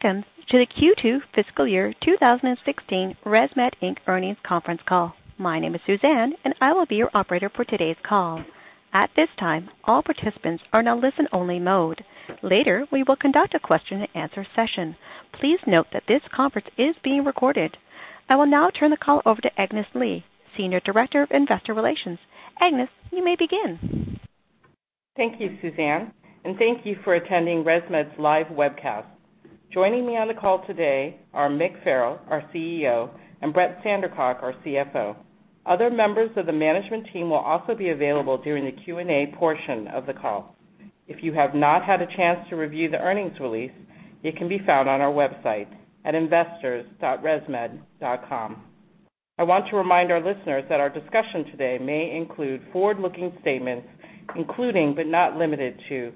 Welcome to the Q2 fiscal year 2016 ResMed Inc. earnings conference call. My name is Suzanne, I will be your operator for today's call. At this time, all participants are in a listen-only mode. Later, we will conduct a question and answer session. Please note that this conference is being recorded. I will now turn the call over to Agnes Lee, Senior Director of Investor Relations. Agnes, you may begin. Thank you, Suzanne. Thank you for attending ResMed's live webcast. Joining me on the call today are Mick Farrell, our CEO, and Brett Sandercock, our CFO. Other members of the management team will also be available during the Q&A portion of the call. If you have not had a chance to review the earnings release, it can be found on our website at investors.resmed.com. I want to remind our listeners that our discussion today may include forward-looking statements, including, but not limited to,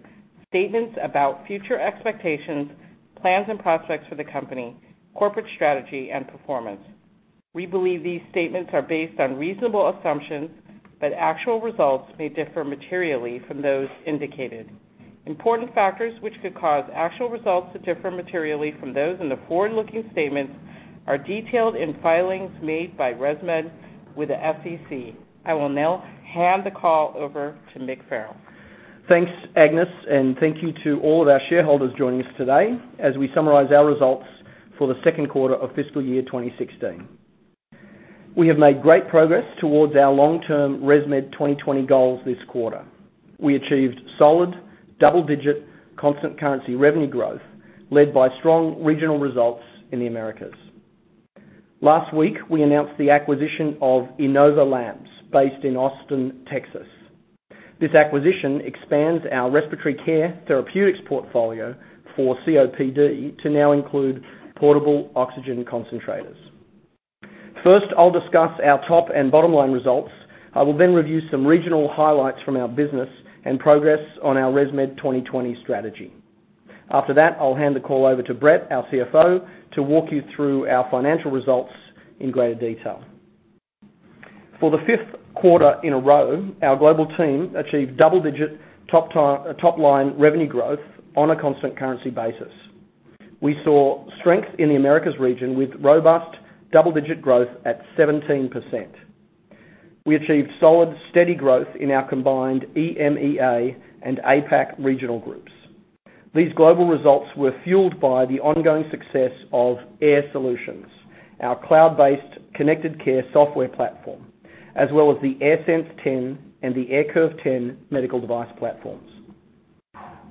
statements about future expectations, plans and prospects for the company, corporate strategy, and performance. We believe these statements are based on reasonable assumptions, but actual results may differ materially from those indicated. Important factors which could cause actual results to differ materially from those in the forward-looking statements are detailed in filings made by ResMed with the SEC. I will now hand the call over to Mick Farrell. Thanks, Agnes, and thank you to all of our shareholders joining us today as we summarize our results for the second quarter of fiscal year 2016. We have made great progress towards our long-term ResMed 2020 goals this quarter. We achieved solid double-digit constant currency revenue growth led by strong regional results in the Americas. Last week, we announced the acquisition of Inova Labs based in Austin, Texas. This acquisition expands our respiratory care therapeutics portfolio for COPD to now include portable oxygen concentrators. First, I'll discuss our top and bottom line results. I will then review some regional highlights from our business and progress on the ResMed 2020 strategy. After that, I'll hand the call over to Brett, our CFO, to walk you through our financial results in greater detail. For the fifth quarter in a row, our global team achieved double-digit top line revenue growth on a constant currency basis. We saw strength in the Americas region with robust double-digit growth at 17%. We achieved solid, steady growth in our combined EMEA and APAC regional groups. These global results were fueled by the ongoing success of Air Solutions, our cloud-based connected care software platform, as well as the AirSense 10 and the AirCurve 10 medical device platforms.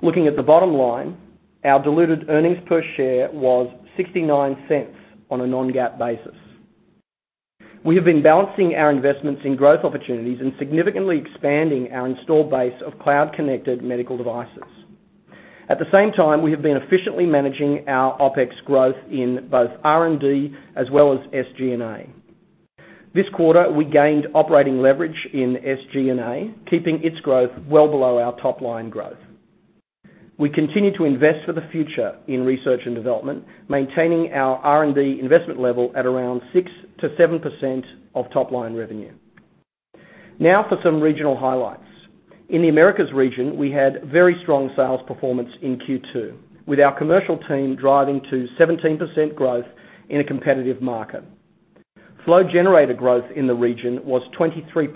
Looking at the bottom line, our diluted earnings per share was $0.69 on a non-GAAP basis. We have been balancing our investments in growth opportunities and significantly expanding our install base of cloud-connected medical devices. At the same time, we have been efficiently managing our OpEx growth in both R&D as well as SG&A. This quarter, we gained operating leverage in SG&A, keeping its growth well below our top-line growth. We continue to invest for the future in research and development, maintaining our R&D investment level at around 6%-7% of top-line revenue. In the Americas region, we had very strong sales performance in Q2, with our commercial team driving to 17% growth in a competitive market. Flow generator growth in the region was 23%,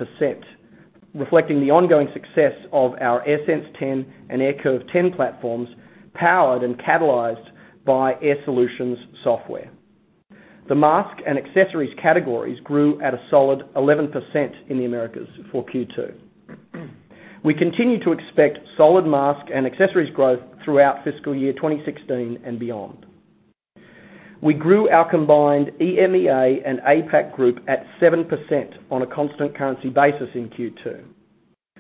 reflecting the ongoing success of our AirSense 10 and AirCurve 10 platforms, powered and catalyzed by Air Solutions software. The mask and accessories categories grew at a solid 11% in the Americas for Q2. We continue to expect solid mask and accessories growth throughout fiscal year 2016 and beyond. We grew our combined EMEA and APAC group at 7% on a constant currency basis in Q2.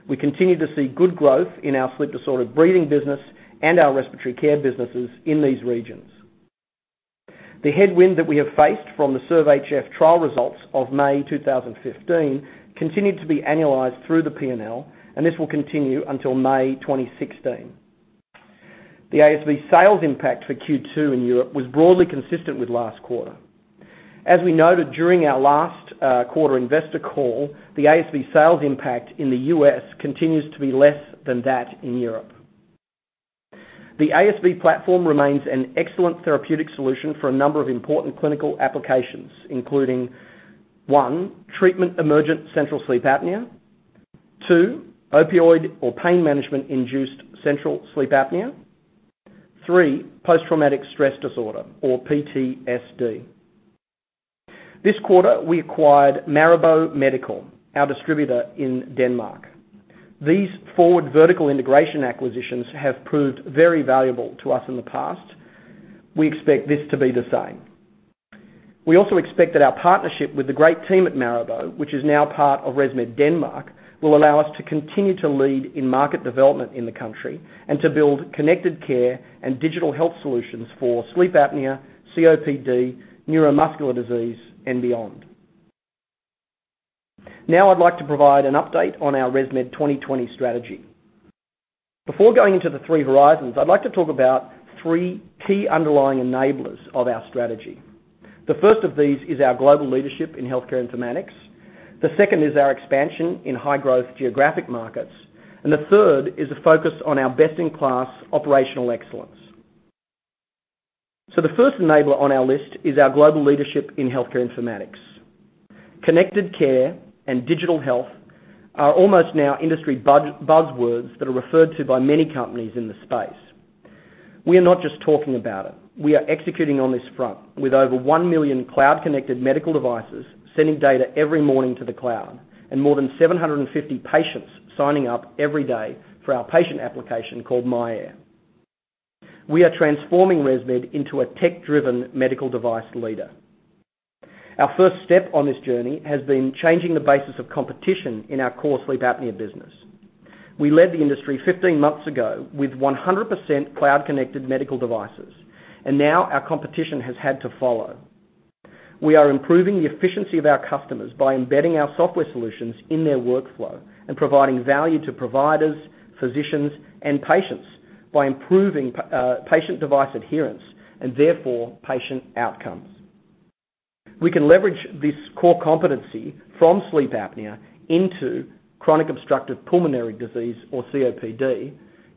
We continue to see good growth in our sleep-disordered breathing business and our respiratory care businesses in these regions. The headwind that we have faced from the SERVE-HF trial results of May 2015 continued to be annualized through the P&L, and this will continue until May 2016. The ASV sales impact for Q2 in Europe was broadly consistent with last quarter. As we noted during our last quarter investor call, the ASV sales impact in the U.S. continues to be less than that in Europe. The ASV platform remains an excellent therapeutic solution for a number of important clinical applications, including, one, treatment-emergent central sleep apnea. Two, opioid or pain management-induced central sleep apnea. Three, post-traumatic stress disorder, or PTSD. This quarter, we acquired Maribo Medico, our distributor in Denmark. These forward vertical integration acquisitions have proved very valuable to us in the past. We expect this to be the same. We also expect that our partnership with the great team at Maribo, which is now part of ResMed Denmark, will allow us to continue to lead in market development in the country and to build connected care and digital health solutions for sleep apnea, COPD, neuromuscular disease, and beyond. I'd like to provide an update on our ResMed 2020 strategy. Before going into the three horizons, I'd like to talk about three key underlying enablers of our strategy. The first of these is our global leadership in healthcare informatics. The second is our expansion in high growth geographic markets. The third is the focus on our best-in-class operational excellence. The first enabler on our list is our global leadership in healthcare informatics. Connected care and digital health are almost now industry buzzwords that are referred to by many companies in the space. We are not just talking about it. We are executing on this front with over 1 million cloud connected medical devices sending data every morning to the cloud, and more than 750 patients signing up every day for our patient application called myAir. We are transforming ResMed into a tech-driven medical device leader. Our first step on this journey has been changing the basis of competition in our core sleep apnea business. We led the industry 15 months ago with 100% cloud connected medical devices, and now our competition has had to follow. We are improving the efficiency of our customers by embedding our software solutions in their workflow and providing value to providers, physicians, and patients by improving patient device adherence and therefore patient outcomes. We can leverage this core competency from sleep apnea into chronic obstructive pulmonary disease, or COPD,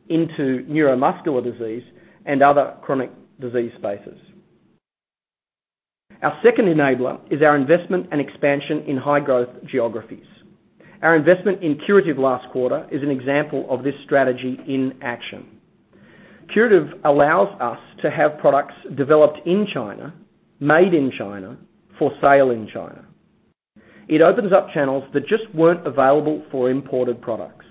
into neuromuscular disease and other chronic disease spaces. Our second enabler is our investment and expansion in high growth geographies. Our investment in Curative last quarter is an example of this strategy in action. Curative allows us to have products developed in China, made in China, for sale in China. It opens up channels that just weren't available for imported products.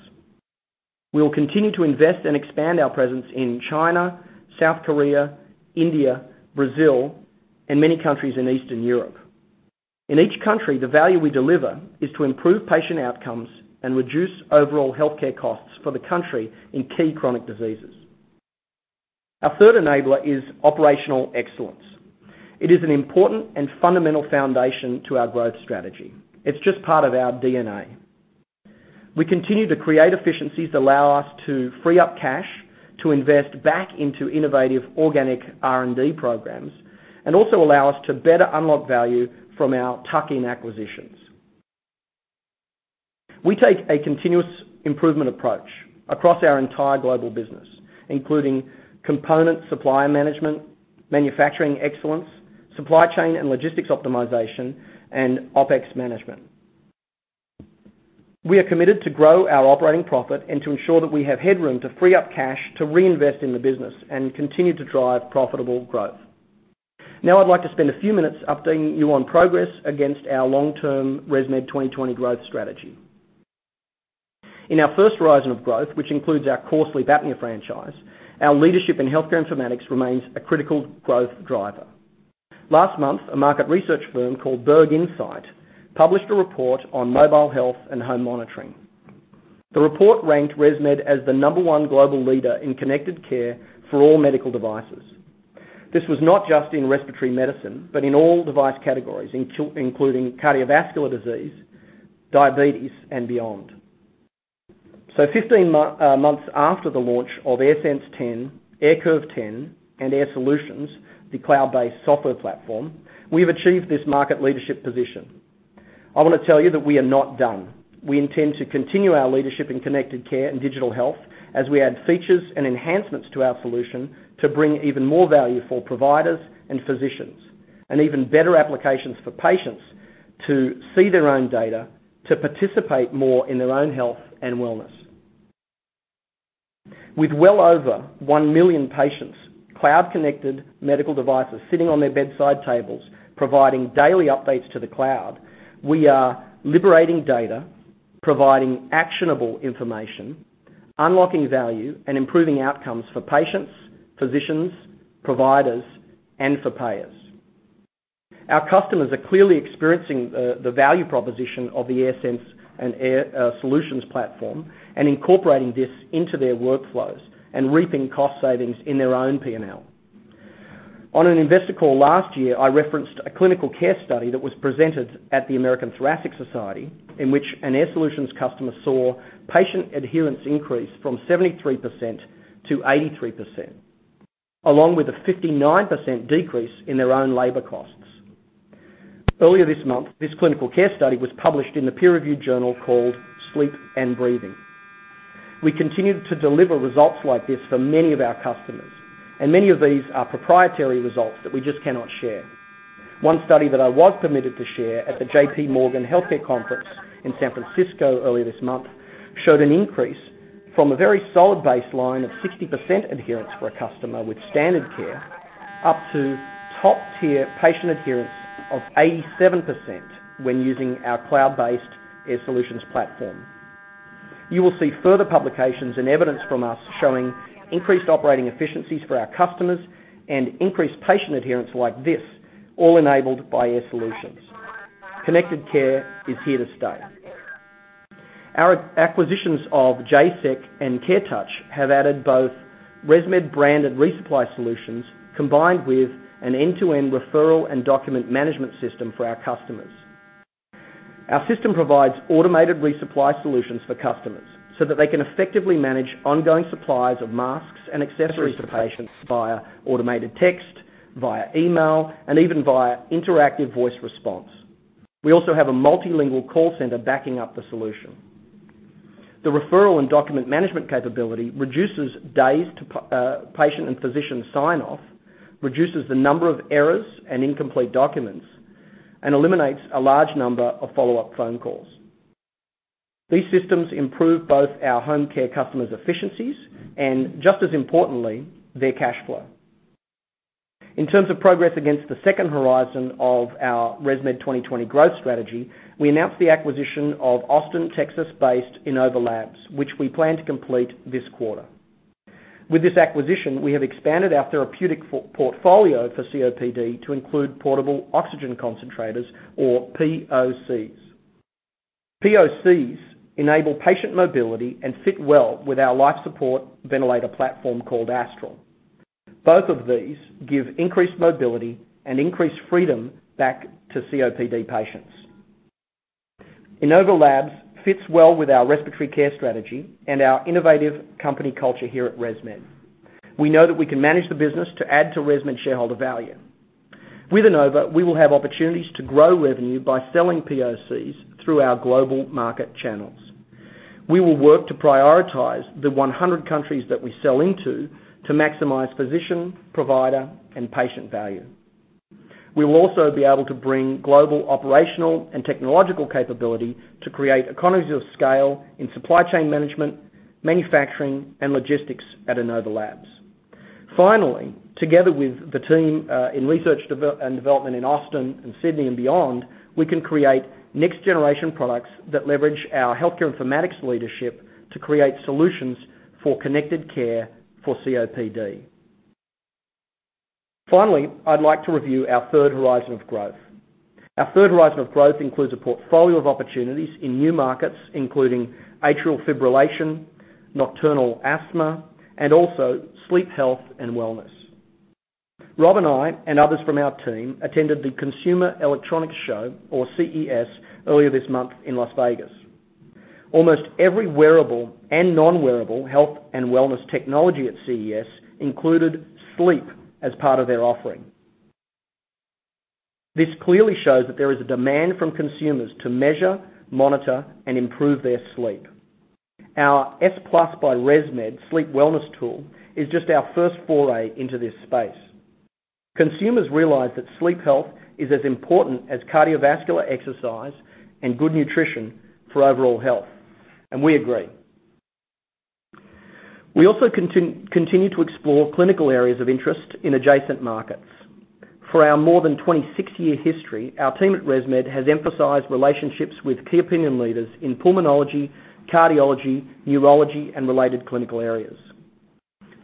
We'll continue to invest and expand our presence in China, South Korea, India, Brazil, and many countries in Eastern Europe. In each country, the value we deliver is to improve patient outcomes and reduce overall healthcare costs for the country in key chronic diseases. Our third enabler is operational excellence. It is an important and fundamental foundation to our growth strategy. It's just part of our DNA. We continue to create efficiencies that allow us to free up cash to invest back into innovative organic R&D programs and also allow us to better unlock value from our tuck-in acquisitions. We take a continuous improvement approach across our entire global business, including component supplier management, manufacturing excellence, supply chain and logistics optimization, and OpEx management. We are committed to grow our operating profit and to ensure that we have headroom to free up cash to reinvest in the business and continue to drive profitable growth. I'd like to spend a few minutes updating you on progress against our long-term ResMed 2020 growth strategy. In our first horizon of growth, which includes our core sleep apnea franchise, our leadership in healthcare informatics remains a critical growth driver. Last month, a market research firm called Berg Insight published a report on mobile health and home monitoring. The report ranked ResMed as the number one global leader in connected care for all medical devices. This was not just in respiratory medicine, but in all device categories including cardiovascular disease, diabetes, and beyond. 15 months after the launch of AirSense 10, AirCurve 10, and AirSolutions, the cloud-based software platform, we've achieved this market leadership position. I want to tell you that we are not done. We intend to continue our leadership in connected care and digital health as we add features and enhancements to our solution to bring even more value for providers and physicians, and even better applications for patients to see their own data, to participate more in their own health and wellness. With well over 1 million patients, cloud connected medical devices sitting on their bedside tables providing daily updates to the cloud, we are liberating data, providing actionable information, unlocking value, and improving outcomes for patients, physicians, providers, and for payers. Our customers are clearly experiencing the value proposition of the AirSense and AirSolutions platform and incorporating this into their workflows and reaping cost savings in their own P&L. On an investor call last year, I referenced a clinical care study that was presented at the American Thoracic Society, in which an AirSolutions customer saw patient adherence increase from 73%-83%, along with a 59% decrease in their own labor costs. Earlier this month, this clinical care study was published in the peer review journal called "Sleep and Breathing." We continue to deliver results like this for many of our customers, and many of these are proprietary results that we just cannot share. One study that I was permitted to share at the J.P. Morgan Healthcare Conference in San Francisco earlier this month showed an increase from a very solid baseline of 60% adherence for a customer with standard care up to top-tier patient adherence of 87% when using our cloud-based AirSolutions platform. You will see further publications and evidence from us showing increased operating efficiencies for our customers and increased patient adherence like this, all enabled by AirSolutions. Connected care is here to stay. Our acquisitions of Jaysec and CareTouch have added both ResMed branded resupply solutions combined with an end-to-end referral and document management system for our customers. Our system provides automated resupply solutions for customers so that they can effectively manage ongoing supplies of masks and accessories to patients via automated text, via email, and even via interactive voice response. We also have a multilingual call center backing up the solution. The referral and document management capability reduces days to patient and physician sign-off, reduces the number of errors and incomplete documents, and eliminates a large number of follow-up phone calls. These systems improve both our home care customers' efficiencies and, just as importantly, their cash flow. In terms of progress against the second horizon of our ResMed 2020 growth strategy, we announced the acquisition of Austin, Texas-based Inova Labs, which we plan to complete this quarter. With this acquisition, we have expanded our therapeutic portfolio for COPD to include portable oxygen concentrators, or POCs. POCs enable patient mobility and fit well with our life support ventilator platform called Astral. Both of these give increased mobility and increased freedom back to COPD patients. Inova Labs fits well with our respiratory care strategy and our innovative company culture here at ResMed. We know that we can manage the business to add to ResMed shareholder value. With Inova, we will have opportunities to grow revenue by selling POCs through our global market channels. We will work to prioritize the 100 countries that we sell into to maximize physician, provider, and patient value. We will also be able to bring global operational and technological capability to create economies of scale in supply chain management, manufacturing, and logistics at Inova Labs. Finally, together with the team in research and development in Austin and Sydney and beyond, we can create next-generation products that leverage our healthcare informatics leadership to create solutions for connected care for COPD. Finally, I'd like to review our third horizon of growth. Our third horizon of growth includes a portfolio of opportunities in new markets, including atrial fibrillation, nocturnal asthma, and also sleep health and wellness. Rob and I and others from our team attended the Consumer Electronics Show, or CES, earlier this month in Las Vegas. Almost every wearable and non-wearable health and wellness technology at CES included sleep as part of their offering. This clearly shows that there is a demand from consumers to measure, monitor, and improve their sleep. Our S+ by ResMed sleep wellness tool is just our first foray into this space. Consumers realize that sleep health is as important as cardiovascular exercise and good nutrition for overall health. We agree. We also continue to explore clinical areas of interest in adjacent markets. For our more than 26-year history, our team at ResMed has emphasized relationships with key opinion leaders in pulmonology, cardiology, neurology, and related clinical areas.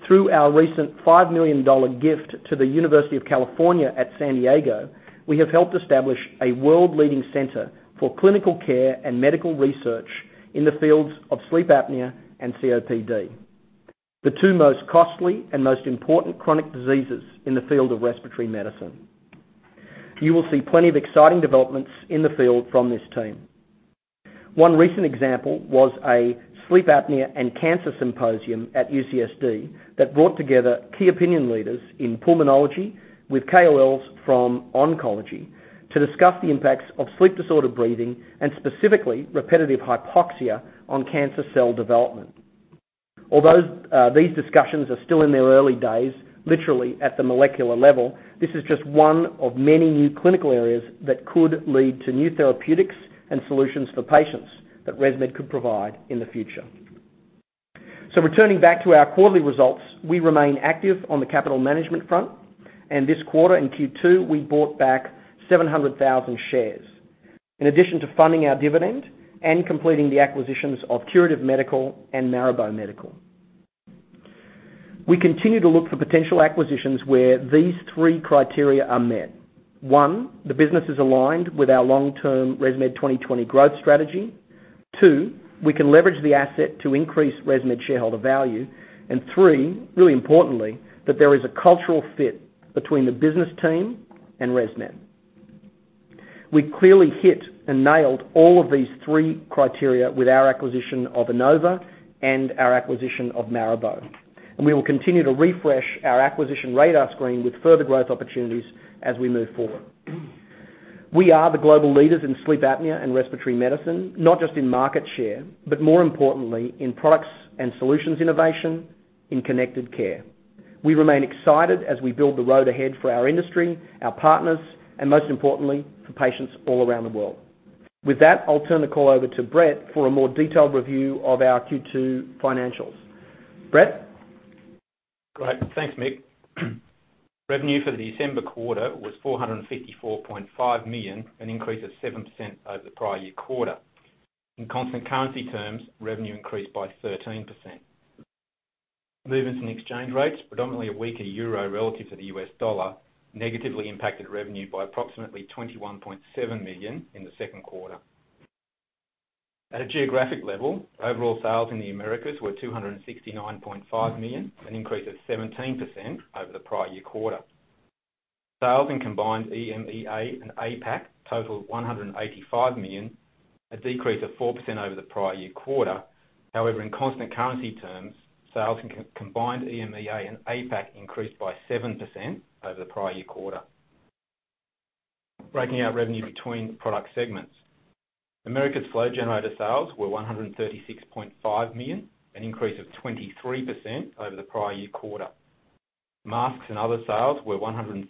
Through our recent $5 million gift to the University of California, San Diego, we have helped establish a world-leading center for clinical care and medical research in the fields of sleep apnea and COPD, the two most costly and most important chronic diseases in the field of respiratory medicine. You will see plenty of exciting developments in the field from this team. One recent example was a sleep apnea and cancer symposium at UCSD that brought together key opinion leaders in pulmonology with KOLs from oncology to discuss the impacts of sleep disorder breathing and specifically repetitive hypoxia on cancer cell development. Although these discussions are still in their early days, literally at the molecular level, this is just one of many new clinical areas that could lead to new therapeutics and solutions for patients that ResMed could provide in the future. Returning back to our quarterly results, we remain active on the capital management front. This quarter in Q2, we bought back 700,000 shares, in addition to funding our dividend and completing the acquisitions of Curative Medical and Maribo Medico. We continue to look for potential acquisitions where these three criteria are met. One, the business is aligned with our long-term ResMed 2020 growth strategy. Two, we can leverage the asset to increase ResMed shareholder value. Three, really importantly, that there is a cultural fit between the business team and ResMed. We clearly hit and nailed all of these three criteria with our acquisition of Inova and our acquisition of Maribo. We will continue to refresh our acquisition radar screen with further growth opportunities as we move forward. We are the global leaders in sleep apnea and respiratory medicine, not just in market share, but more importantly, in products and solutions innovation, in connected care. We remain excited as we build the road ahead for our industry, our partners, and most importantly, for patients all around the world. With that, I'll turn the call over to Brett for a more detailed review of our Q2 financials. Brett? Great. Thanks, Mick. Revenue for the December quarter was $454.5 million, an increase of 7% over the prior year quarter. In constant currency terms, revenue increased by 13%. Movements in exchange rates, predominantly a weaker euro relative to the U.S. dollar, negatively impacted revenue by approximately $21.7 million in the second quarter. At a geographic level, overall sales in the Americas were $269.5 million, an increase of 17% over the prior year quarter. Sales in combined EMEA and APAC total $185 million, a decrease of 4% over the prior year quarter. In constant currency terms, sales in combined EMEA and APAC increased by 7% over the prior year quarter. Breaking out revenue between product segments, Americas flow generator sales were $136.5 million, an increase of 23% over the prior year quarter. Masks and other sales were $133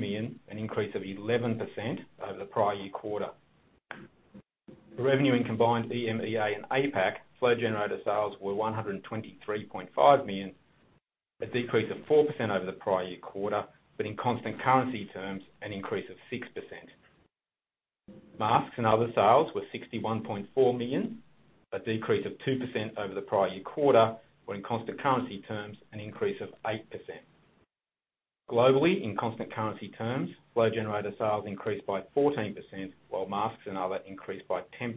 million, an increase of 11% over the prior year quarter. Revenue in combined EMEA and APAC flow generator sales were $123.5 million, a decrease of 4% over the prior year quarter, but in constant currency terms, an increase of 6%. Masks and other sales were $61.4 million, a decrease of 2% over the prior year quarter, but in constant currency terms, an increase of 8%. Globally, in constant currency terms, flow generator sales increased by 14%, while masks and other increased by 10%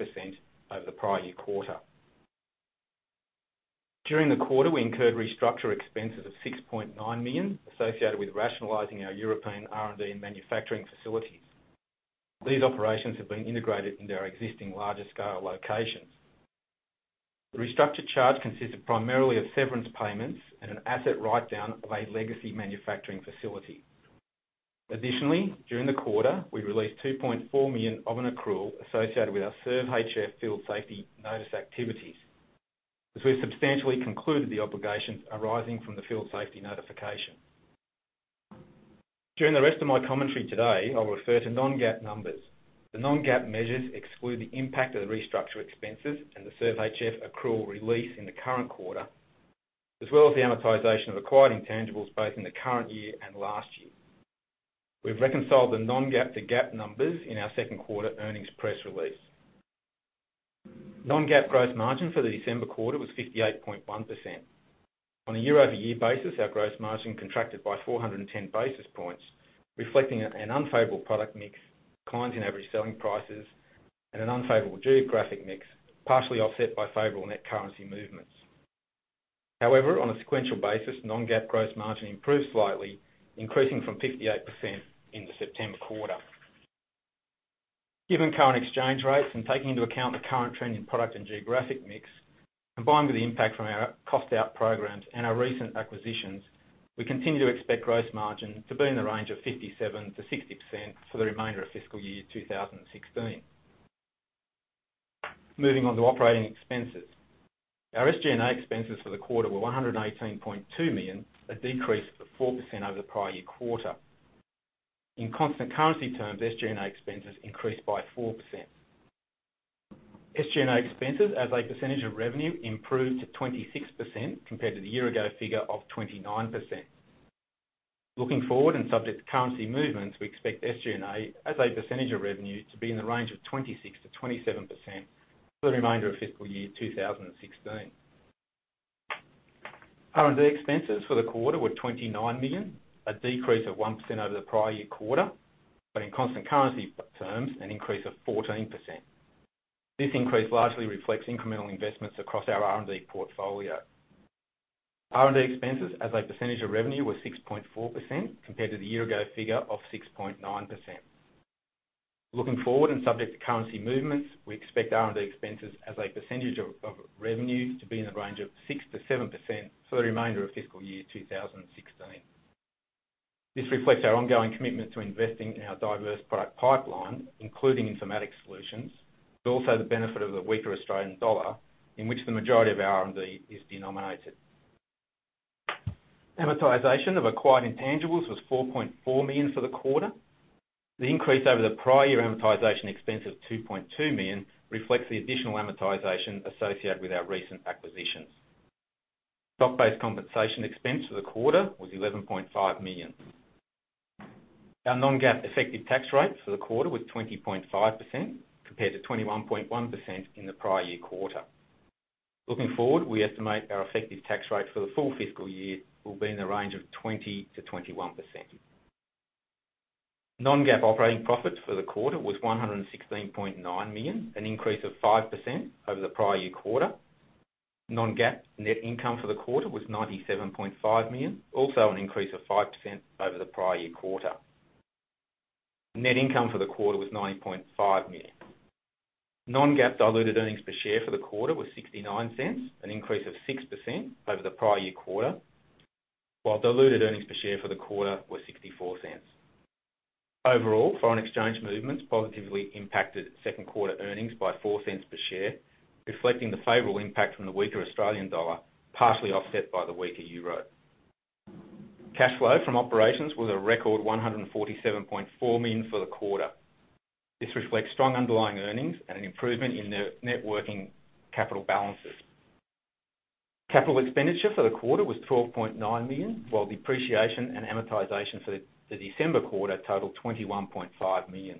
over the prior year quarter. During the quarter, we incurred restructure expenses of $6.9 million associated with rationalizing our European R&D and manufacturing facilities. These operations have been integrated into our existing larger-scale locations. The restructured charge consisted primarily of severance payments and an asset write-down of a legacy manufacturing facility. Additionally, during the quarter, we released $2.4 million of an accrual associated with our SERVE-HF field safety notice activities, as we have substantially concluded the obligations arising from the field safety notification. During the rest of my commentary today, I will refer to non-GAAP numbers. The non-GAAP measures exclude the impact of the restructure expenses and the SERVE-HF accrual release in the current quarter, as well as the amortization of acquired intangibles, both in the current year and last year. We have reconciled the non-GAAP to GAAP numbers in our second quarter earnings press release. Non-GAAP gross margin for the December quarter was 58.1%. On a year-over-year basis, our gross margin contracted by 410 basis points, reflecting an unfavorable product mix, decline in average selling prices, and an unfavorable geographic mix, partially offset by favorable net currency movements. On a sequential basis, non-GAAP gross margin improved slightly, increasing from 58% in the September quarter. Given current exchange rates and taking into account the current trend in product and geographic mix, combined with the impact from our cost-out programs and our recent acquisitions, we continue to expect gross margin to be in the range of 57%-60% for the remainder of fiscal year 2016. Moving on to operating expenses. Our SG&A expenses for the quarter were $118.2 million, a decrease of 4% over the prior year quarter. In constant currency terms, SG&A expenses increased by 4%. SG&A expenses as a percentage of revenue improved to 26% compared to the year-ago figure of 29%. Looking forward and subject to currency movements, we expect SG&A as a percentage of revenue to be in the range of 26%-27% for the remainder of fiscal year 2016. R&D expenses for the quarter were $29 million, a decrease of 1% over the prior year quarter. In constant currency terms, an increase of 14%. This increase largely reflects incremental investments across our R&D portfolio. R&D expenses as a percentage of revenue were 6.4% compared to the year ago figure of 6.9%. Looking forward and subject to currency movements, we expect R&D expenses as a percentage of revenue to be in the range of 6%-7% for the remainder of fiscal year 2016. This reflects our ongoing commitment to investing in our diverse product pipeline, including informatics solutions, but also the benefit of the weaker Australian dollar in which the majority of R&D is denominated. Amortization of acquired intangibles was $4.4 million for the quarter. The increase over the prior year amortization expense of $2.2 million reflects the additional amortization associated with our recent acquisitions. Stock-based compensation expense for the quarter was $11.5 million. Our non-GAAP effective tax rate for the quarter was 20.5% compared to 21.1% in the prior year quarter. Looking forward, we estimate our effective tax rate for the full fiscal year will be in the range of 20%-21%. Non-GAAP operating profit for the quarter was $116.9 million, an increase of 5% over the prior year quarter. Non-GAAP net income for the quarter was $97.5 million, also an increase of 5% over the prior year quarter. Net income for the quarter was $90.5 million. Non-GAAP diluted earnings per share for the quarter was $0.69, an increase of 6% over the prior year quarter, while diluted earnings per share for the quarter were $0.64. Overall, foreign exchange movements positively impacted second quarter earnings by $0.04 per share, reflecting the favorable impact from the weaker Australian dollar, partially offset by the weaker euro. Cash flow from operations was a record $147.4 million for the quarter. This reflects strong underlying earnings and an improvement in the net working capital balances. Capital expenditure for the quarter was $12.9 million, while depreciation and amortization for the December quarter totaled $21.5 million.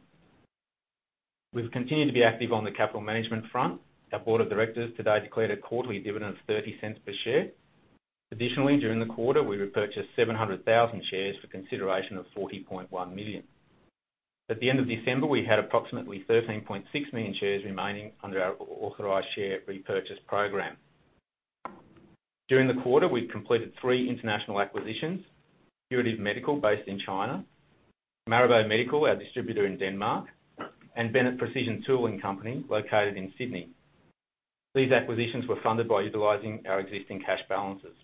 We've continued to be active on the capital management front. Our board of directors today declared a quarterly dividend of $0.30 per share. Additionally, during the quarter, we repurchased 700,000 shares for consideration of $40.1 million. At the end of December, we had approximately 13.6 million shares remaining under our authorized share repurchase program. During the quarter, we completed three international acquisitions: Curative Medical based in China, Maribo Medico, our distributor in Denmark, and Bennett Precision Tooling Company located in Sydney. These acquisitions were funded by utilizing our existing cash balances.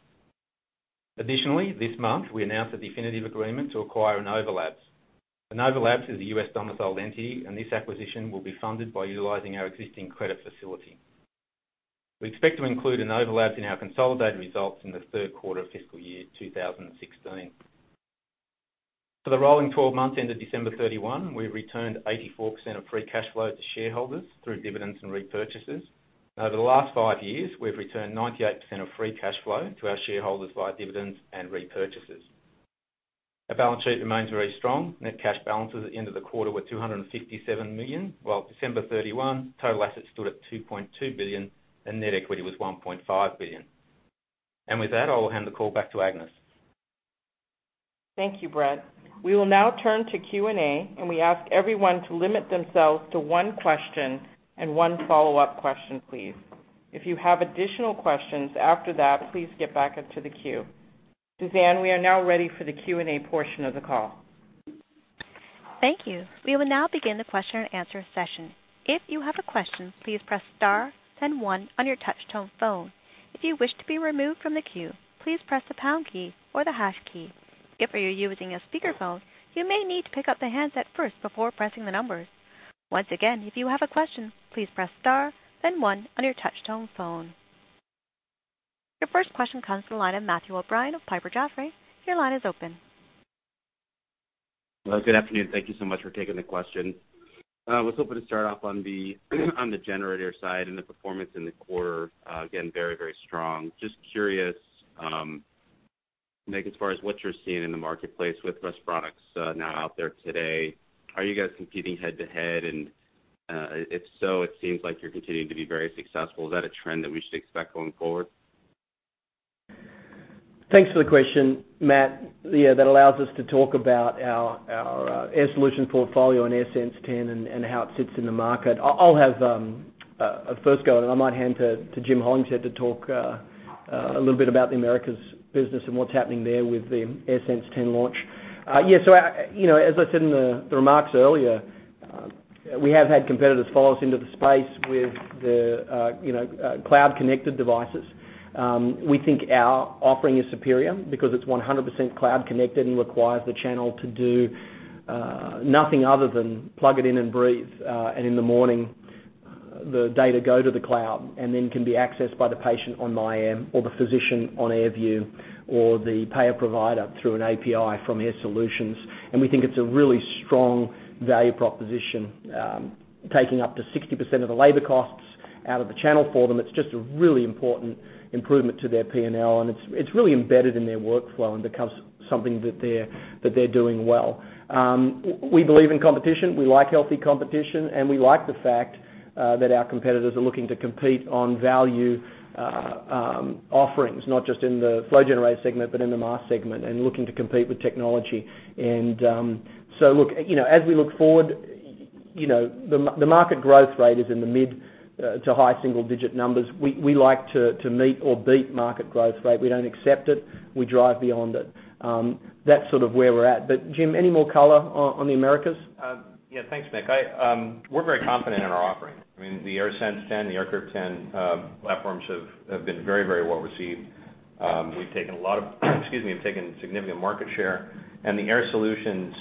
Additionally, this month, we announced a definitive agreement to acquire Inova Labs. Inova Labs is a U.S.-domiciled entity, and this acquisition will be funded by utilizing our existing credit facility. We expect to include Inova Labs in our consolidated results in the third quarter of fiscal year 2016. For the rolling 12 months end of December 31, we returned 84% of free cash flow to shareholders through dividends and repurchases. Over the last five years, we've returned 98% of free cash flow to our shareholders via dividends and repurchases. Our balance sheet remains very strong. Net cash balances at the end of the quarter were $257 million, while December 31 total assets stood at $2.2 billion and net equity was $1.5 billion. With that, I will hand the call back to Agnes. Thank you, Brett. We will now turn to Q&A. We ask everyone to limit themselves to one question and one follow-up question please. If you have additional questions after that, please get back into the queue. Suzanne, we are now ready for the Q&A portion of the call. Thank you. We will now begin the question and answer session. If you have a question, please press star, then one on your touch-tone phone. If you wish to be removed from the queue, please press the pound key or the hash key. If you're using a speakerphone, you may need to pick up the handset first before pressing the numbers. Once again, if you have a question, please press star, then one on your touch-tone phone. Your first question comes from the line of Matthew O'Brien of Piper Jaffray. Your line is open. Well, good afternoon. Thank you so much for taking the question. I was hoping to start off on the generator side and the performance in the quarter, again, very, very strong. Just curious, Mick, as far as what you're seeing in the marketplace with ResMed products now out there today, are you guys competing head-to-head? If so, it seems like you're continuing to be very successful. Is that a trend that we should expect going forward? Thanks for the question, Matt. Yeah, that allows us to talk about our Air Solutions portfolio and AirSense 10 and how it sits in the market. I'll have a first go, and I might hand to Jim Hollingshead to talk a little bit about the Americas business and what's happening there with the AirSense 10 launch. As I said in the remarks earlier, we have had competitors follow us into the space with the cloud-connected devices. We think our offering is superior because it's 100% cloud connected and requires the channel to do nothing other than plug it in and breathe, and in the morning, the data go to the cloud and then can be accessed by the patient on myAir or the physician on AirView or the payer provider through an API from Air Solutions. We think it's a really strong value proposition, taking up to 60% of the labor costs out of the channel for them. It's just a really important improvement to their P&L, and it's really embedded in their workflow and becomes something that they're doing well. We believe in competition. We like healthy competition, and we like the fact that our competitors are looking to compete on value offerings, not just in the flow generator segment, but in the mask segment and looking to compete with technology. Look, as we look forward, the market growth rate is in the mid to high single-digit numbers. We like to meet or beat market growth rate. We don't accept it. We drive beyond it. That's sort of where we're at. Jim, any more color on the Americas? Yeah. Thanks, Mick. We're very confident in our offering. I mean, the AirSense 10, the AirCurve 10 platforms have been very, very well received. We've taken a lot of significant market share and the Air Solutions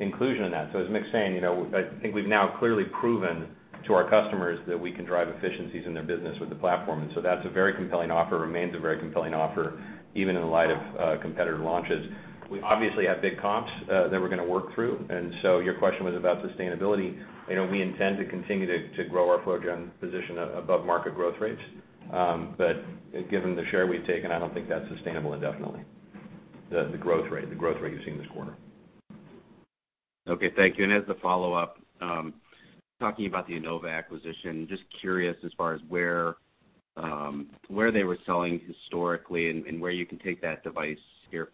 inclusion in that. As Mick's saying, I think we've now clearly proven to our customers that we can drive efficiencies in their business with the platform. That's a very compelling offer, remains a very compelling offer, even in light of competitor launches. We obviously have big comps that we're going to work through. Your question was about sustainability. We intend to continue to grow our flow gen position above market growth rates. Given the share we've taken, I don't think that's sustainable indefinitely, the growth rate you've seen this quarter. Okay. Thank you. As a follow-up, talking about the Inova acquisition, just curious as far as where they were selling historically and where you can take that device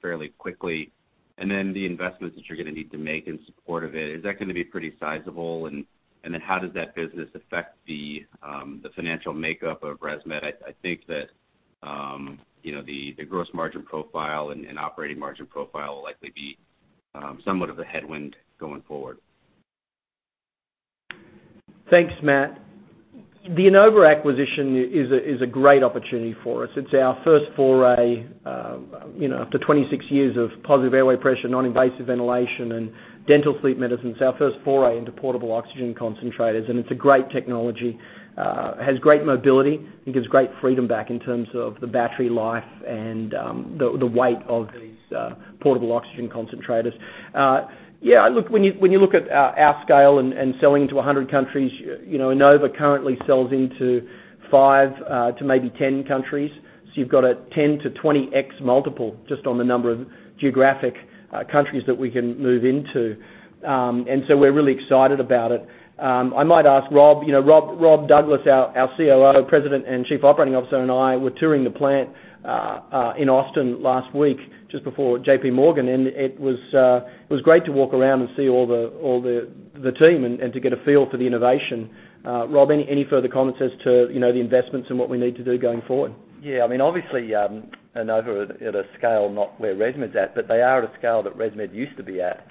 fairly quickly, then the investments that you're going to need to make in support of it. Is that going to be pretty sizable? Then how does that business affect the financial makeup of ResMed? I think that the gross margin profile and operating margin profile will likely be somewhat of a headwind going forward. Thanks, Matt. The Inova acquisition is a great opportunity for us. It's our first foray after 26 years of positive airway pressure, non-invasive ventilation and dental sleep medicines. It's our first foray into portable oxygen concentrators, and it's a great technology. It has great mobility and gives great freedom back in terms of the battery life and the weight of these portable oxygen concentrators. When you look at our scale and selling to 100 countries, Inova currently sells into five to maybe 10 countries. You've got a 10 to 20x multiple just on the number of geographic countries that we can move into. We're really excited about it. I might ask Rob. Rob Douglas, our COO, President and Chief Operating Officer, and I were touring the plant in Austin last week just before J.P. Morgan. It was great to walk around and see all the team and to get a feel for the innovation. Rob, any further comments as to the investments and what we need to do going forward? Yeah. Obviously, Inova at a scale, not where ResMed's at, but they are at a scale that ResMed used to be at.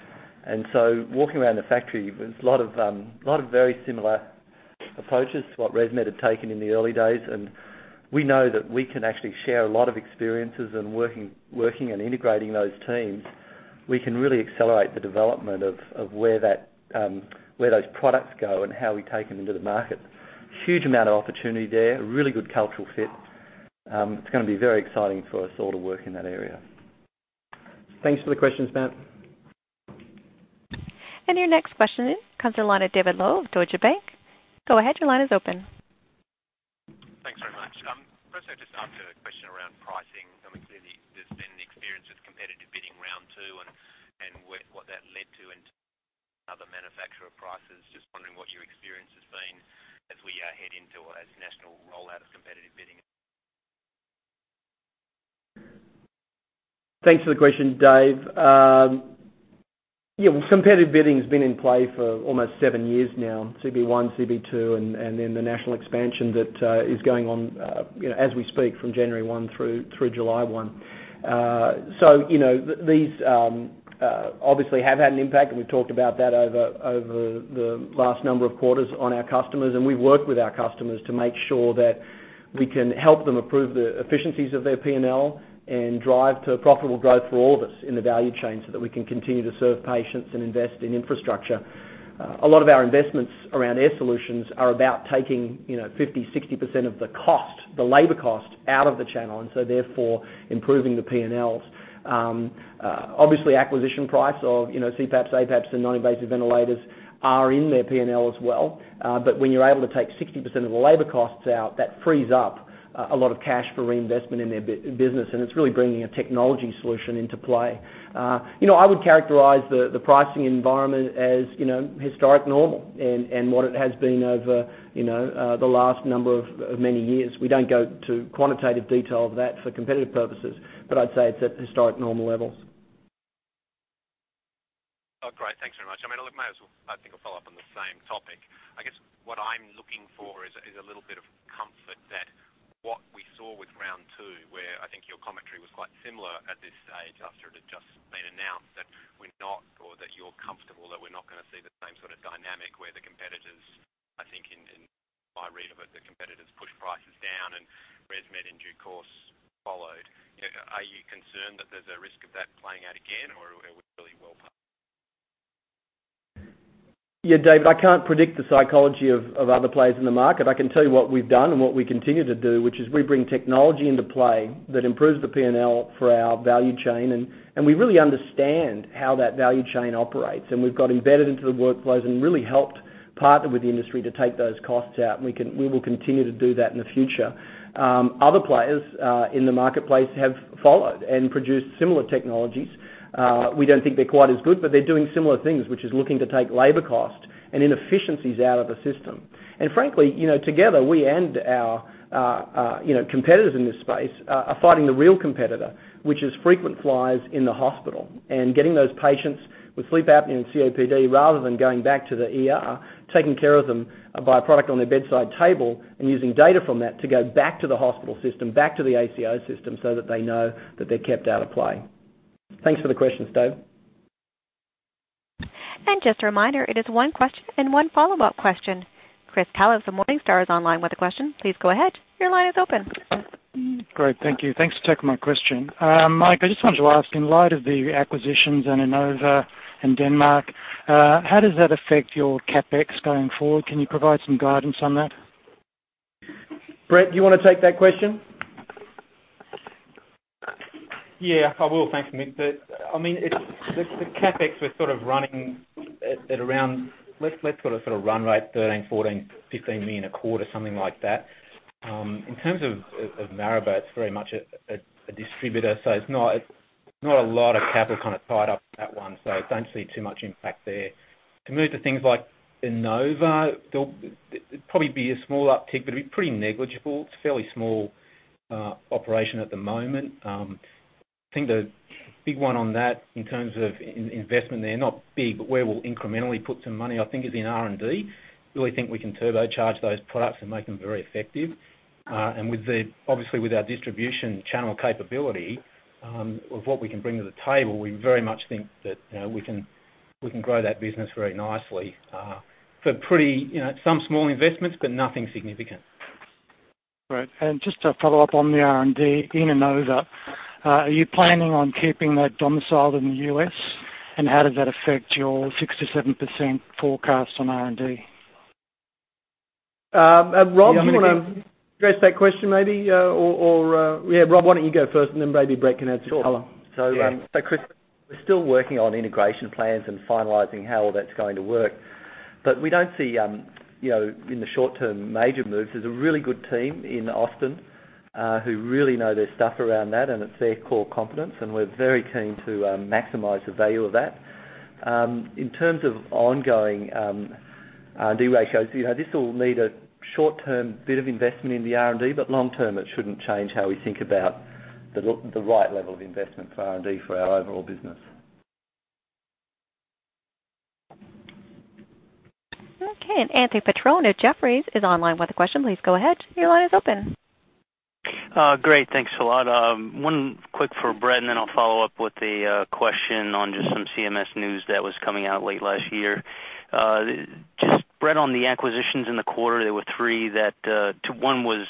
Walking around the factory, there's a lot of very similar approaches to what ResMed had taken in the early days. We know that we can actually share a lot of experiences in working and integrating those teams. We can really accelerate the development of where those products go and how we take them into the market. There is a huge amount of opportunity there, and a really good cultural fit. It's going to be very exciting for us all to work in that area. Thanks for the questions, Matt. Your next question comes from the line of David Low of Deutsche Bank. Go ahead, your line is open. Thanks very much. Firstly, I'd just like to ask a question around pricing. Clearly, there's been experience with competitive bidding round two and what that led to in other manufacturer prices. Just wondering what your experience has been as we head into a national rollout of competitive bidding. Thanks for the question, Dave. Competitive bidding's been in play for almost seven years now, CB1, CB2 and then the national expansion that is going on as we speak from January 1 through July 1. These obviously have had an impact, and we've talked about that over the last number of quarters on our customers, and we've worked with our customers to make sure that we can help them improve the efficiencies of their P&L and drive to profitable growth for all of us in the value chain, so that we can continue to serve patients and invest in infrastructure. A lot of our investments around Air Solutions are about taking 50, 60% of the labor cost out of the channel, and so therefore, improving the P&Ls. Obviously, acquisition price of CPAPs, APAPs and non-invasive ventilators are in their P&L as well. When you're able to take 60% of the labor costs out, that frees up a lot of cash for reinvestment in their business, and it's really bringing a technology solution into play. I would characterize the pricing environment as historic normal, and what it has been over the last number of many years. We don't go to quantitative detail of that for competitive purposes, but I'd say it's at historic normal levels. Oh, great. Thanks very much. I might as well, I think, follow up on the same topic. I guess what I'm looking for is a little bit of comfort that what we saw with round two, where I think your commentary was quite similar at this stage, after it had just been announced, that you're comfortable that we're not going to see the same sort of dynamic where the competitors, I think in my read of it, the competitors pushed prices down and ResMed in due course followed. Are you concerned that there's a risk of that playing out again, or are we really well past it? Yeah, David, I can't predict the psychology of other players in the market. I can tell you what we've done and what we continue to do, which is we bring technology into play that improves the P&L for our value chain, and we really understand how that value chain operates. We've got embedded into the workflows and really helped partner with the industry to take those costs out, and we will continue to do that in the future. Other players in the marketplace have followed and produced similar technologies. We don't think they're quite as good, but they're doing similar things, which is looking to take labor cost and inefficiencies out of the system. Frankly, together, we and our competitors in this space are fighting the real competitor, which is frequent flyers in the hospital, and getting those patients with sleep apnea and COPD, rather than going back to the ER, taking care of them by a product on their bedside table, and using data from that to go back to the hospital system, back to the ACO system, so that they know that they're kept out of play. Thanks for the questions, David. Just a reminder, it is one question and one follow-up question. Chris Kallos of Morningstar is online with a question. Please go ahead. Your line is open. Great. Thank you. Thanks for taking my question. Mick, I just wanted to ask, in light of the acquisitions and Inova in Denmark, how does that affect your CapEx going forward? Can you provide some guidance on that? Brett, do you want to take that question? Yeah, I will. Thanks, Mick. The CapEx, we're sort of running at around, let's call a sort of run rate, $13 million, $14 million, $15 million a quarter, something like that. In terms of Maribo, it's very much a distributor, so it's not a lot of capital kind of tied up in that one. Don't see too much impact there. To move to things like Inova, there'll probably be a small uptick, but it'd be pretty negligible. It's a fairly small operation at the moment. I think the big one on that in terms of investment there, not big, but where we'll incrementally put some money, I think is in R&D. Really think we can turbocharge those products and make them very effective. Obviously, with our distribution channel capability, of what we can bring to the table, we very much think that we can grow that business very nicely. Some small investments, but nothing significant. Great. Just to follow up on the R&D, in Inova, are you planning on keeping that domiciled in the U.S.? How does that affect your 67% forecast on R&D? Rob, do you want to address that question maybe? Yeah, Rob, why don't you go first and then maybe Brett can add some color? Sure. Chris, we're still working on integration plans and finalizing how all that's going to work. We don't see, in the short term, major moves. There's a really good team in Austin, who really know their stuff around that, and it's their core competence, and we're very keen to maximize the value of that. In terms of ongoing R&D ratios, this will need a short-term bit of investment in the R&D, but long-term, it shouldn't change how we think about the right level of investment for R&D for our overall business. Okay. Anthony Petrone, Jefferies, is online with a question. Please go ahead. Your line is open. Great. Thanks a lot. One quick for Brett, I'll follow up with a question on just some CMS news that was coming out late last year. Brett, on the acquisitions in the quarter, there were three that one was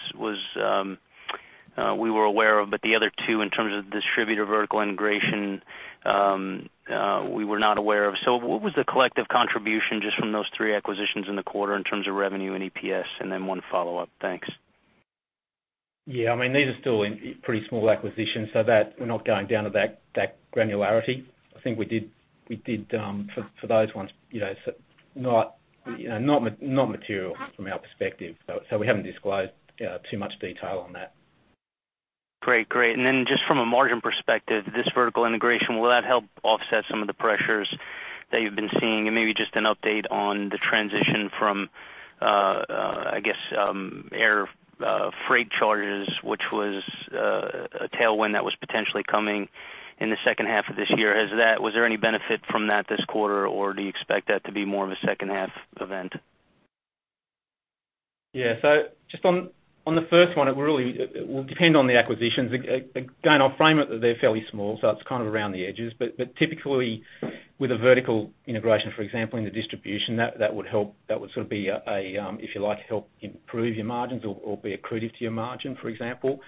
we were aware of, but the other two in terms of distributor vertical integration, we were not aware of. What was the collective contribution just from those three acquisitions in the quarter in terms of revenue and EPS? One follow-up. Thanks. Yeah. These are still pretty small acquisitions. We're not going down to that granularity. I think we did for those ones, not material from our perspective. We haven't disclosed too much detail on that. Great. Just from a margin perspective, this vertical integration, will that help offset some of the pressures that you've been seeing? Maybe just an update on the transition from, I guess, air freight charges, which was a tailwind that was potentially coming in the second half of this year. Was there any benefit from that this quarter, or do you expect that to be more of a second-half event? Yeah. Just on the first one, it will depend on the acquisitions. Again, I'll frame it that they're fairly small. It's kind of around the edges. Typically with a vertical integration, for example, in the distribution, that would help. That would sort of be a, if you like, help improve your margins or be accretive to your margin, for example.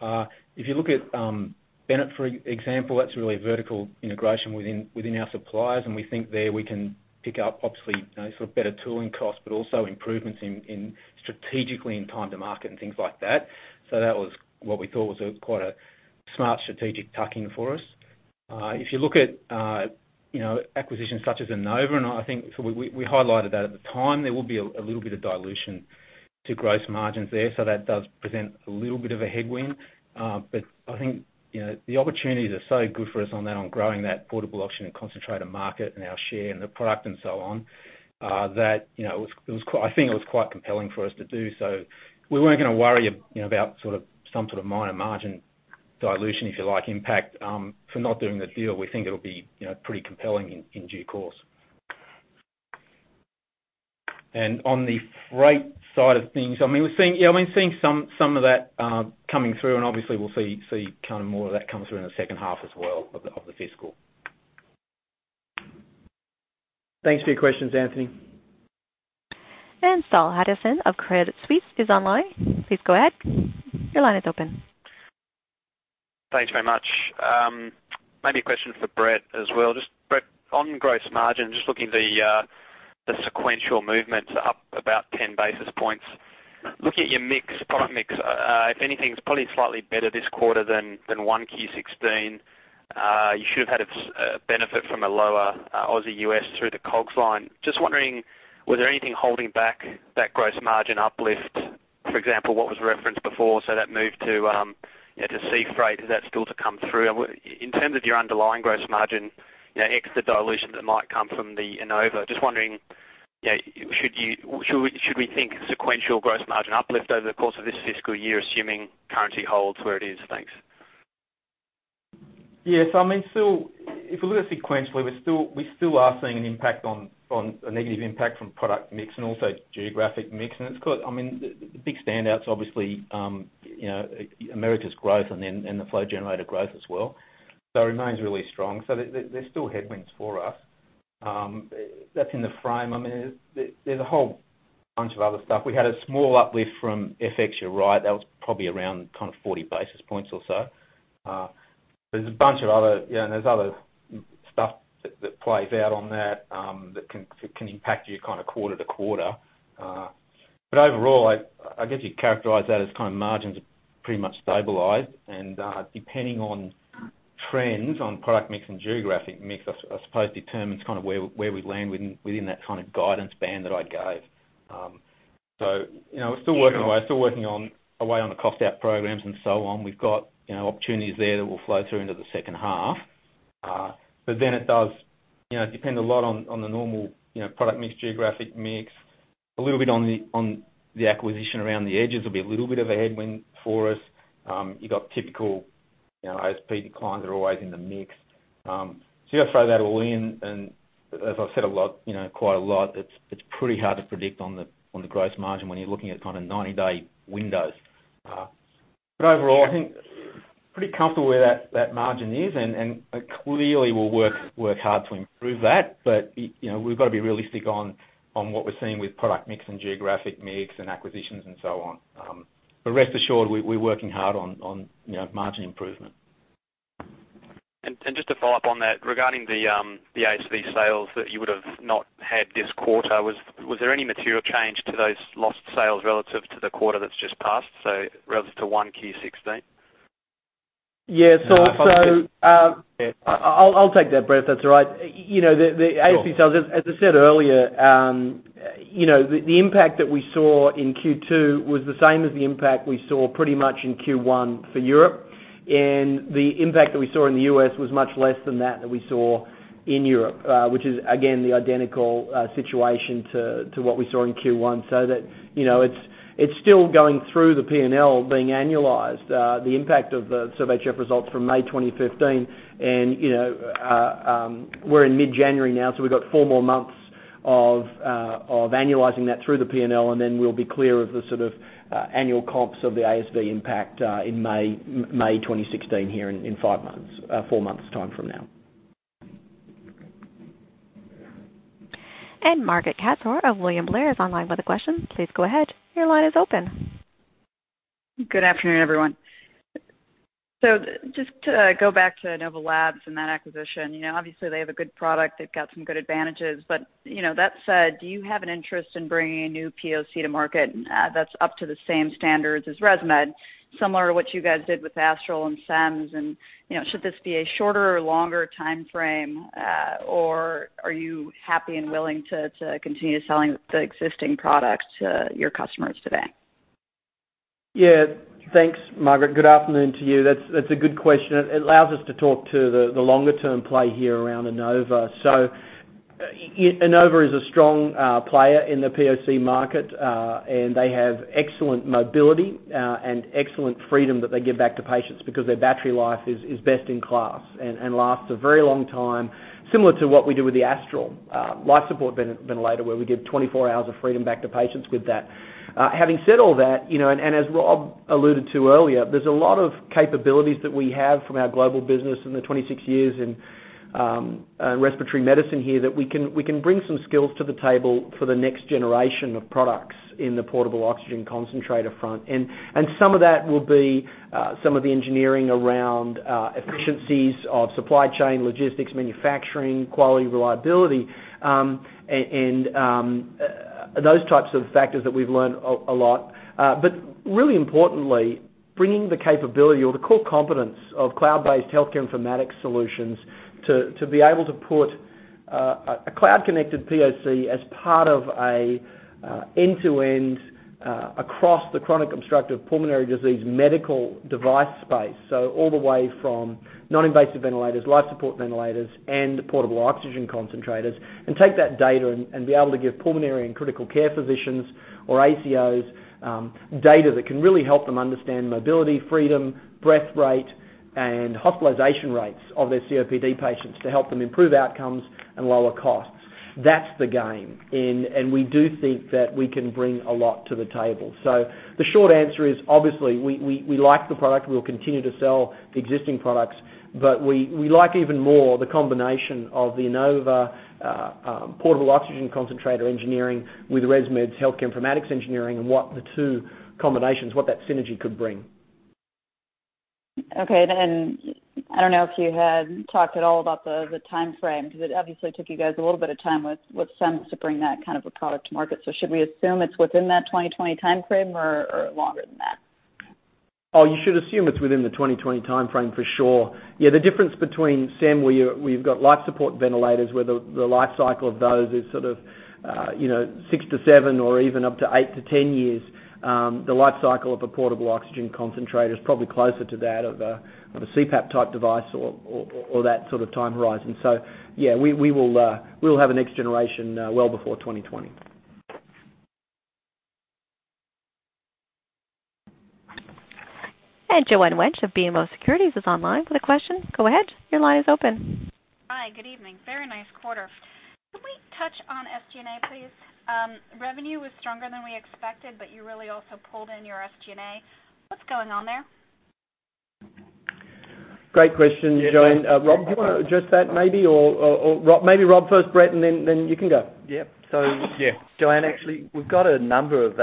If you look at Bennett, for example, that's really a vertical integration within our suppliers. We think there we can pick up obviously better tooling costs, also improvements strategically in time to market and things like that. That was what we thought was quite a smart strategic tuck-in for us. If you look at acquisitions such as Inova, I think we highlighted that at the time, there will be a little bit of dilution to gross margins there. That does present a little bit of a headwind. I think, the opportunities are so good for us on that, on growing that portable oxygen concentrator market and our share in the product and so on, that I think it was quite compelling for us to do so. We weren't going to worry about some sort of minor margin dilution, if you like, impact, for not doing the deal. We think it'll be pretty compelling in due course. On the freight side of things, we're seeing some of that coming through and obviously we'll see more of that come through in the second half as well of the fiscal. Thanks for your questions, Anthony. Saul Hadassin of Credit Suisse is online. Please go ahead. Your line is open. Thanks very much. A question for Brett as well. Brett, on gross margin, just looking at the sequential movement up about 10 basis points. Looking at your product mix, if anything, it's probably slightly better this quarter than 1Q 2016. You should have had a benefit from a lower AUD/U.S. through the COGS line. Wondering, was there anything holding back that gross margin uplift? For example, what was referenced before, that move to sea freight, is that still to come through? In terms of your underlying gross margin, ex the dilution that might come from the Inova, wondering, should we think sequential gross margin uplift over the course of this fiscal year, assuming currency holds where it is? Thanks. If we look at sequentially, we still are seeing a negative impact from product mix and also geographic mix. The big standout's obviously Americas growth and the flow generator growth as well. There's still headwinds for us. That's in the frame. There's a whole bunch of other stuff. We had a small uplift from FX, you're right, that was probably around 40 basis points or so. There's a bunch of other stuff that plays out on that can impact you quarter to quarter. Overall, I guess you'd characterize that as margins have pretty much stabilized, and depending on trends on product mix and geographic mix, I suppose determines where we land within that kind of guidance band that I gave. We're still working our way on the cost-out programs and so on. We've got opportunities there that will flow through into the second half. It does depend a lot on the normal product mix, geographic mix, a little bit on the acquisition around the edges will be a little bit of a headwind for us. You got typical ASP declines are always in the mix. You gotta throw that all in, as I've said quite a lot, it's pretty hard to predict on the gross margin when you're looking at kind of 90-day windows. Overall, I think pretty comfortable where that margin is, clearly we'll work hard to improve that. We've got to be realistic on what we're seeing with product mix, geographic mix, and acquisitions and so on. Rest assured, we're working hard on margin improvement. Just to follow up on that, regarding the ASV sales that you would've not had this quarter, was there any material change to those lost sales relative to the quarter that's just passed, relative to 1Q 2016? Yeah. If I could just- I'll take that, Brett, if that's all right. Sure. The ASV sales, as I said earlier, the impact that we saw in Q2 was the same as the impact we saw pretty much in Q1 for Europe. The impact that we saw in the U.S. was much less than that that we saw in Europe, which is again, the identical situation to what we saw in Q1. It's still going through the P&L being annualized, the impact of the SERVE-HF results from May 2015. We're in mid-January now, we've got four more months of annualizing that through the P&L, and then we'll be clear of the sort of annual comps of the ASV impact in May 2016 here in four months' time from now. Margaret Kaczor of William Blair is online with a question. Please go ahead. Your line is open. Good afternoon, everyone. Just to go back to Inova Labs and that acquisition, obviously, they have a good product. They've got some good advantages. That said, do you have an interest in bringing a new POC to market that's up to the same standards as ResMed, similar to what you guys did with Astral and Stellar, and should this be a shorter or longer timeframe? Are you happy and willing to continue selling the existing products to your customers today? Yeah. Thanks, Margaret. Good afternoon to you. That's a good question. It allows us to talk to the longer-term play here around Inova. Inova is a strong player in the POC market, and they have excellent mobility, and excellent freedom that they give back to patients because their battery life is best in class and lasts a very long time, similar to what we do with the Astral life support ventilator, where we give 24 hours of freedom back to patients with that. Having said all that, and as Rob alluded to earlier, there's a lot of capabilities that we have from our global business in the 26 years in respiratory medicine here that we can bring some skills to the table for the next generation of products in the portable oxygen concentrator front. Some of that will be some of the engineering around efficiencies of supply chain logistics, manufacturing, quality, reliability, and those types of factors that we've learned a lot. Really importantly, bringing the capability or the core competence of cloud-based healthcare informatics solutions to be able to put a cloud-connected POC as part of an end-to-end across the chronic obstructive pulmonary disease medical device space. All the way from non-invasive ventilators, life support ventilators, and portable oxygen concentrators, and take that data and be able to give pulmonary and critical care physicians or ACOs data that can really help them understand mobility, freedom, breath rate, and hospitalization rates of their COPD patients to help them improve outcomes and lower costs. That's the game, and we do think that we can bring a lot to the table. The short answer is, obviously, we like the product. We'll continue to sell the existing products, but we like even more the combination of the Inova portable oxygen concentrator engineering with ResMed's healthcare informatics engineering, and what the two combinations, what that synergy could bring. Okay, I don't know if you had talked at all about the timeframe, because it obviously took you guys a little bit of time with Stellar to bring that kind of a product to market. Should we assume it's within that 2020 timeframe or longer than that? Oh, you should assume it's within the 2020 timeframe for sure. Yeah, the difference between Sem, where we've got life support ventilators, where the life cycle of those is sort of 6 to 7 or even up to 8 to 10 years. The life cycle of a portable oxygen concentrator is probably closer to that of a CPAP type device or that sort of time horizon. Yeah, we'll have a next generation well before 2020. Joanne Wuensch of BMO Securities is online with a question. Go ahead. Your line is open. Hi. Good evening. Very nice quarter. Can we touch on SG&A, please? Revenue was stronger than we expected, you really also pulled in your SG&A. What's going on there? Great question, Joanne. Rob, do you want to address that maybe, or maybe Rob first, Brett, then you can go. Yeah. Yeah. Joanne, actually, we've got a number of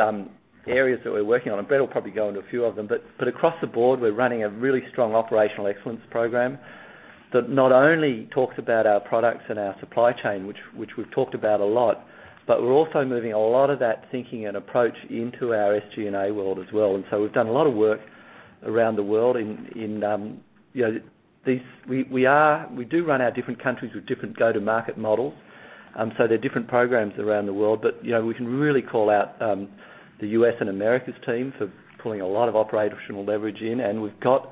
areas that we're working on, and Brett will probably go into a few of them. Across the board, we're running a really strong operational excellence program that not only talks about our products and our supply chain, which we've talked about a lot, but we're also moving a lot of that thinking and approach into our SG&A world as well. We do run our different countries with different go-to-market models. They're different programs around the world. We can really call out the U.S. and Americas team for pulling a lot of operational leverage in, and we've got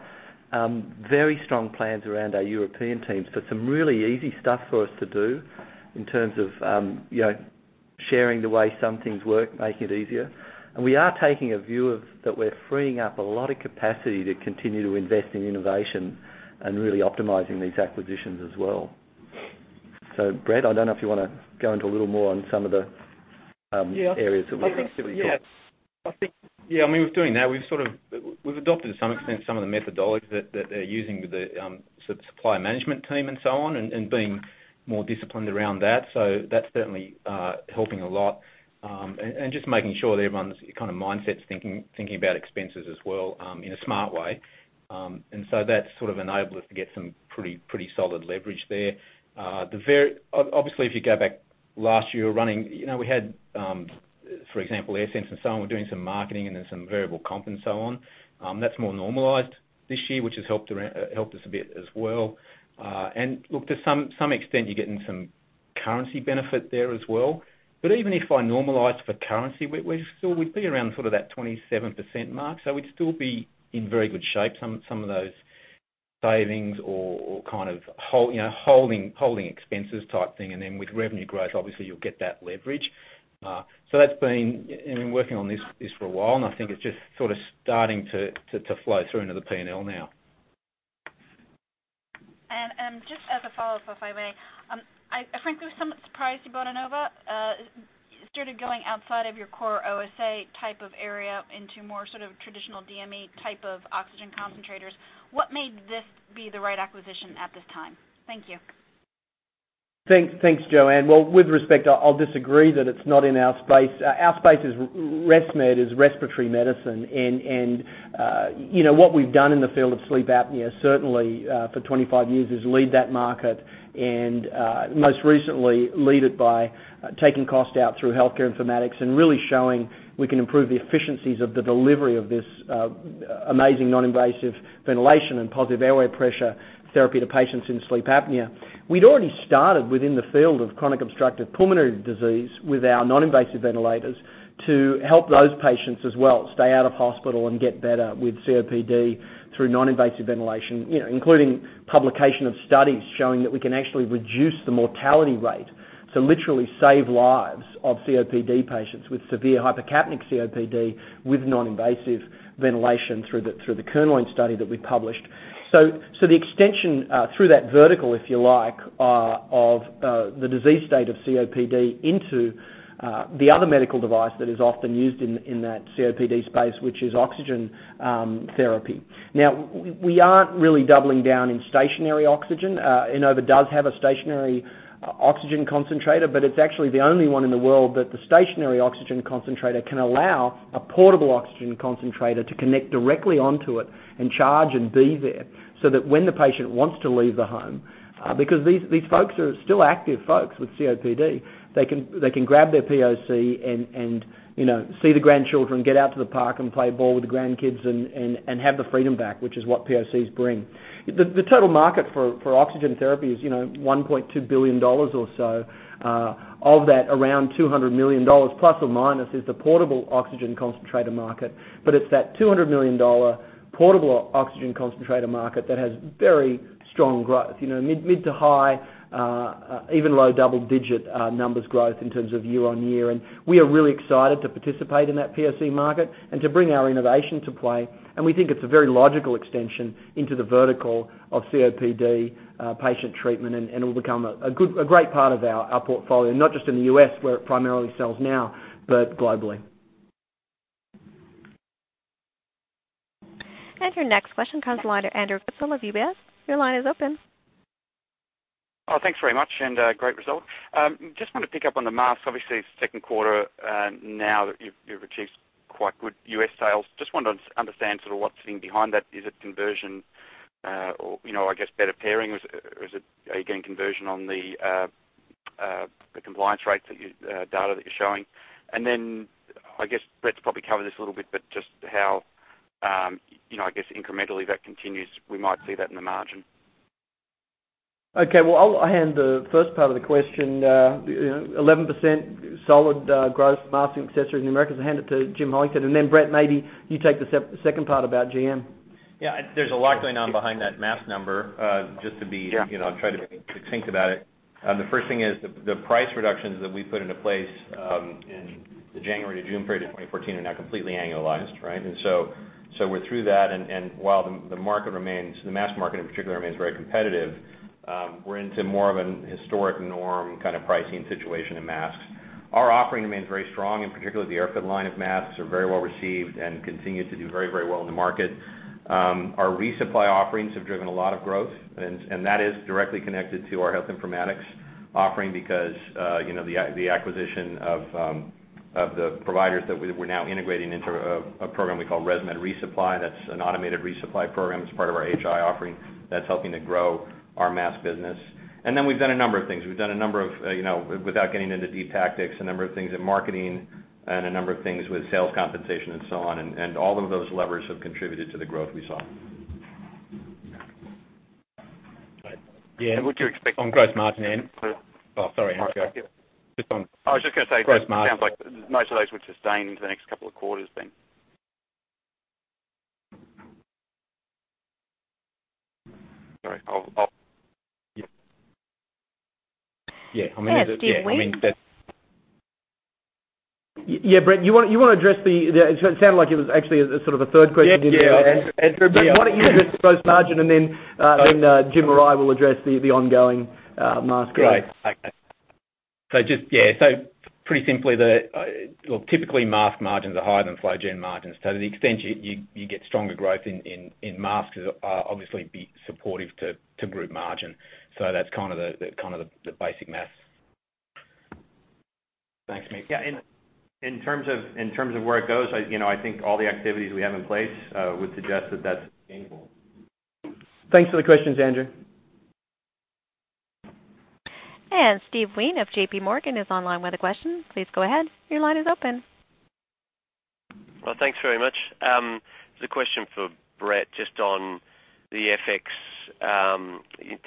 very strong plans around our European teams for some really easy stuff for us to do in terms of sharing the way some things work, making it easier. We are taking a view of that we're freeing up a lot of capacity to continue to invest in innovation and really optimizing these acquisitions as well. Brett, I don't know if you want to go into a little more on some of the areas that we've actively talked. Yeah. I mean, we're doing that. We've adopted, to some extent, some of the methodologies that they're using with the supply management team and so on, and being more disciplined around that. That's certainly helping a lot. Just making sure that everyone's kind of mindset's thinking about expenses as well, in a smart way. That's sort of enabled us to get some pretty solid leverage there. Obviously, if you go back last year, we had, for example, AirSense and so on. We're doing some marketing and then some variable comp and so on. That's more normalized this year, which has helped us a bit as well. Look, to some extent, you're getting some currency benefit there as well. Even if I normalize for currency, we'd be around sort of that 27% mark. We'd still be in very good shape, some of those savings or holding expenses type thing, and then with revenue growth, obviously, you'll get that leverage. That's been working on this for a while, and I think it's just starting to flow through into the P&L now. Just as a follow-up, if I may. I frankly was somewhat surprised you bought Inova, started going outside of your core OSA type of area into more sort of traditional DME type of oxygen concentrators. What made this be the right acquisition at this time? Thank you. Thanks, Joanne. Well, with respect, I'll disagree that it's not in our space. Our space is ResMed, is respiratory medicine, and what we've done in the field of sleep apnea, certainly, for 25 years is lead that market and, most recently, lead it by taking cost out through healthcare informatics and really showing we can improve the efficiencies of the delivery of this amazing non-invasive ventilation and positive airway pressure therapy to patients in sleep apnea. We'd already started within the field of chronic obstructive pulmonary disease with our non-invasive ventilators to help those patients as well stay out of hospital and get better with COPD through non-invasive ventilation, including publication of studies showing that we can actually reduce the mortality rate. Literally save lives of COPD patients with severe hypercapnic COPD with non-invasive ventilation through the HOT-HMV study that we published. The extension through that vertical, if you like, of the disease state of COPD into the other medical device that is often used in that COPD space, which is oxygen therapy. Now, we aren't really doubling down in stationary oxygen. Inova does have a stationary oxygen concentrator, but it's actually the only one in the world that the stationary oxygen concentrator can allow a portable oxygen concentrator to connect directly onto it and charge and be there. So that when the patient wants to leave the home, because these folks are still active folks with COPD, they can grab their POC and see the grandchildren, get out to the park and play ball with the grandkids and have the freedom back, which is what POCs bring. The total market for oxygen therapy is $1.2 billion or so. Of that, around $200 million, plus or minus, is the portable oxygen concentrator market, but it's that $200 million portable oxygen concentrator market that has very strong growth. Mid to high, even low double-digit numbers growth in terms of year-on-year, we are really excited to participate in that POC market and to bring our innovation to play. We think it's a very logical extension into the vertical of COPD patient treatment, and it'll become a great part of our portfolio, not just in the U.S. where it primarily sells now, but globally. Your next question comes from the line of Andrew Whipple of UBS. Your line is open. Thanks very much, and great result. Just wanted to pick up on the masks, obviously, it's the second quarter now that you've achieved quite good U.S. sales. Just wanted to understand sort of what's sitting behind that. Is it conversion or I guess better pairing, or are you getting conversion on the compliance rates data that you're showing? Then, I guess Brett's probably covered this a little bit, but just how, I guess incrementally that continues, we might see that in the margin. Okay. Well, I'll hand the first part of the question, 11% solid growth masks and accessories in the Americas. I'll hand it to Jim Hollingshead, then Brett, maybe you take the second part about GM. Yeah. There's a lot going on behind that mask number. Yeah. Just to be succinct about it. The first thing is the price reductions that we put into place in the January to June period of 2014 are now completely annualized, right? We're through that, while the mask market, in particular, remains very competitive, we're into more of an historic norm kind of pricing situation in masks. Our offering remains very strong, in particular, the AirFit line of masks are very well-received and continue to do very well in the market. Our resupply offerings have driven a lot of growth, that is directly connected to our health informatics offering because the acquisition of the providers that we're now integrating into a program we call ResMed ReSupply. That's an automated resupply program that's part of our HI offering that's helping to grow our mask business. We've done a number of things. We've done a number of, without getting into deep tactics, a number of things in marketing and a number of things with sales compensation and so on, all of those levers have contributed to the growth we saw. Yeah. Would you expect on gross margin, Oh, sorry, Andrew. No, thank you. Just on gross margin. I was just going to say, it sounds like most of those would sustain into the next couple of quarters then. Sorry. Yeah. I mean, Steve Wheen. Yeah, Brett, you want to address the, it sounded like it was actually a sort of a third question? Yeah. Why don't you address the gross margin and then Jim or I will address the ongoing mask growth. Great. Okay. Just, yeah. Pretty simply, typically, mask margins are higher than flow gen margins. To the extent you get stronger growth in masks obviously be supportive to group margin. That's kind of the basic math. Thanks, mate. Yeah, in terms of where it goes, I think all the activities we have in place would suggest that that's sustainable. Thanks for the questions, Andrew. Steve Wheen of J.P. Morgan is online with a question. Please go ahead. Your line is open. Well, thanks very much. This is a question for Brett, just on the FX-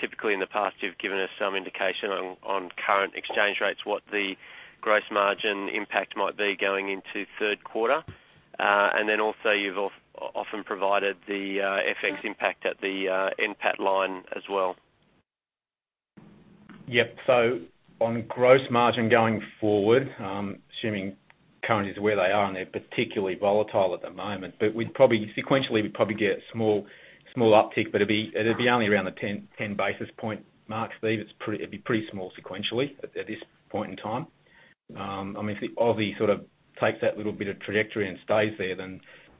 Typically, in the past, you've given us some indication on current exchange rates, what the gross margin impact might be going into the third quarter. Then also, you've often provided the FX impact at the NPAT line as well. Yep. On gross margin going forward, I'm assuming currencies are where they are, and they're particularly volatile at the moment. Sequentially, we'd probably get a small uptick, but it'd be only around the 10 basis point mark, Steve. It'd be pretty small sequentially at this point in time. Obviously, if the Aussie takes that little bit of trajectory and stays there,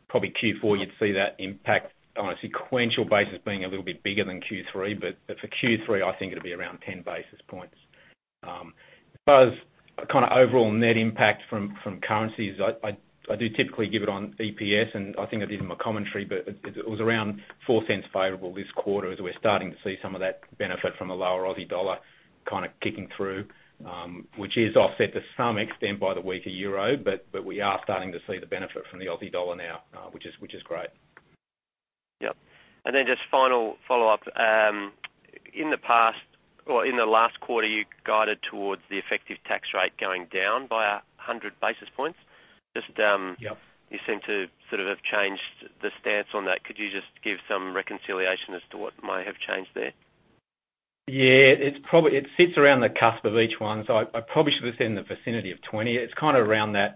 probably Q4, you'd see that impact on a sequential basis being a little bit bigger than Q3, but for Q3, I think it'll be around 10 basis points. As kind of overall net impact from currencies, I do typically give it on EPS. I think I gave them a commentary. It was around $0.04 favorable this quarter as we're starting to see some of that benefit from a lower Aussie dollar kind of kicking through, which is offset to some extent by the weaker euro. We are starting to see the benefit from the Aussie dollar now, which is great. Yep. Just a final follow-up. In the past, or in the last quarter, you guided towards the effective tax rate going down by 100 basis points. Yep You seem to sort of have changed the stance on that. Could you just give some reconciliation as to what might have changed there? It sits around the cusp of each one. I probably should have said in the vicinity of 20. It's kind of around that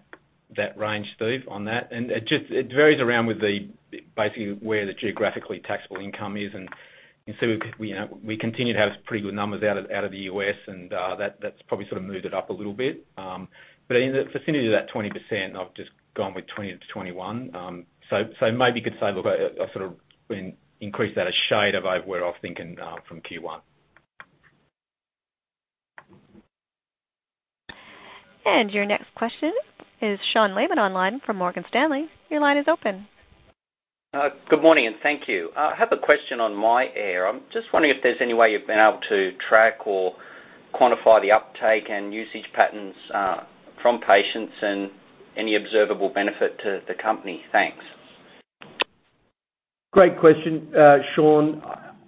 range, Steve, on that. It varies around with basically where the geographically taxable income is, and we continue to have pretty good numbers out of the U.S., and that's probably sort of moved it up a little bit. But in the vicinity of that 20%, and I've just gone with 20%-21%. Maybe you could say, look, I've sort of increased that a shade of over where I was thinking from Q1. Your next question is Sean Langan online from Morgan Stanley. Your line is open. Good morning. Thank you. I have a question on myAir. I'm just wondering if there's any way you've been able to track or quantify the uptake and usage patterns from patients and any observable benefit to the company. Thanks. Great question, Sean.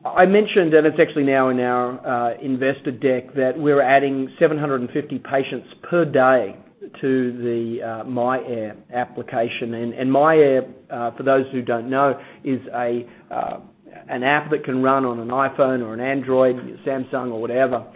I mentioned, it's actually now in our investor deck, that we're adding 750 patients per day to the myAir application. myAir, for those who don't know, is an app that can run on an iPhone or an Android, Samsung, or whatever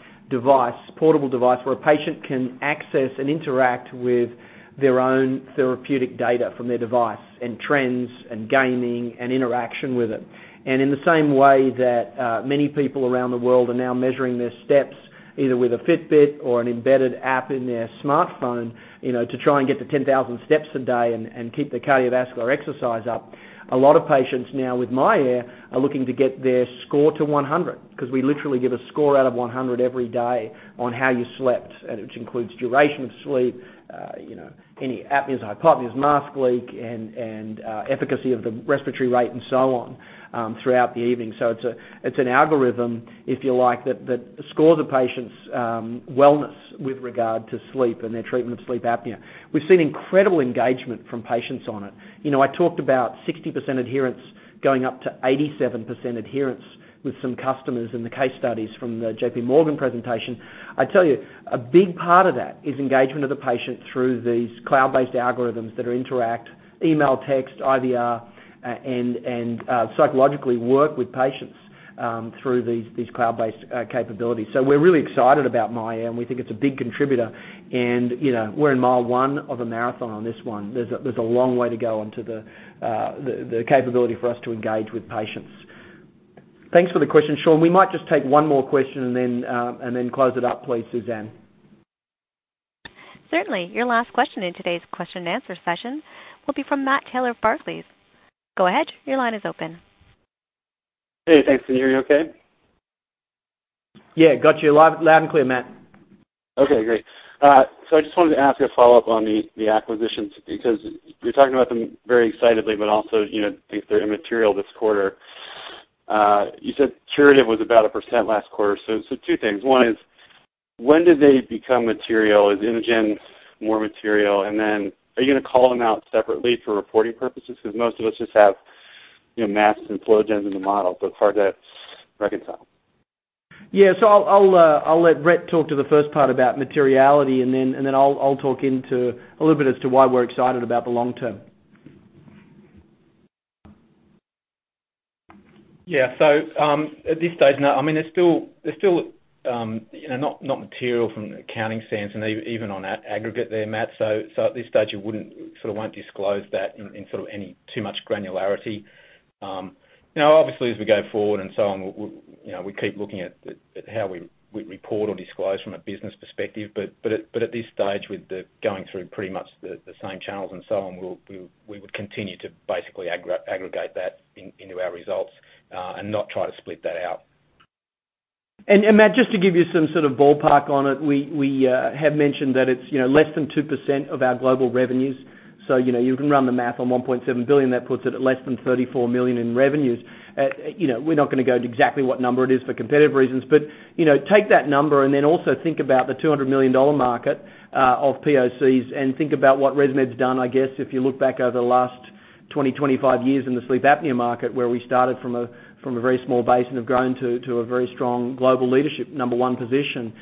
portable device, where a patient can access and interact with their own therapeutic data from their device and trends and gaming and interaction with it. In the same way that many people around the world are now measuring their steps, either with a Fitbit or an embedded app in their smartphone, to try and get the 10,000 steps a day and keep their cardiovascular exercise up. A lot of patients now with myAir are looking to get their score to 100, because we literally give a score out of 100 every day on how you slept, which includes duration of sleep, any apneas, hypopneas, mask leak, and efficacy of the respiratory rate and so on throughout the evening. It's an algorithm, if you like, that scores a patient's wellness with regard to sleep and their treatment of sleep apnea. We've seen incredible engagement from patients on it. I talked about 60% adherence going up to 87% adherence with some customers in the case studies from the J.P. Morgan presentation. I tell you, a big part of that is engagement of the patient through these cloud-based algorithms that interact, email, text, IVR, and psychologically work with patients through these cloud-based capabilities. We're really excited about myAir, and we think it's a big contributor. We're in mile one of a marathon on this one. There's a long way to go into the capability for us to engage with patients. Thanks for the question, Sean. We might just take one more question and then close it up, please, Suzanne. Certainly. Your last question in today's question and answer session will be from Matthew Taylor of Barclays. Go ahead, your line is open. Hey, thanks. Can you hear me okay? Yeah, got you loud and clear, Matt. Okay, great. I just wanted to ask a follow-up on the acquisitions because you're talking about them very excitedly but also think they're immaterial this quarter. You said Curative was about 1% last quarter. Two things. One is: When do they become material? Is Inova more material? And then are you going to call them out separately for reporting purposes? Because most of us just have masks and Flowgen in the model, so it's hard to reconcile. Yeah. I'll let Brett talk to the first part about materiality, and then I'll talk into a little bit as to why we're excited about the long term. Yeah. At this stage, I mean, they're still not material from an accounting sense and even on aggregate there, Matt. At this stage, we won't disclose that in any too much granularity. Obviously, as we go forward and so on, we keep looking at how we report or disclose from a business perspective, but at this stage, with going through pretty much the same channels and so on, we would continue to basically aggregate that into our results and not try to split that out. Matt, just to give you some sort of ballpark on it, we have mentioned that it's less than 2% of our global revenues. You can run the math on $1.7 billion. That puts it at less than $34 million in revenues. We're not going to go into exactly what number it is for competitive reasons, but take that number and then also think about the $200 million market of POCs and think about what ResMed's done, I guess, if you look back over the last 20, 25 years in the sleep apnea market, where we started from a very small base and have grown to a very strong global leadership number one position.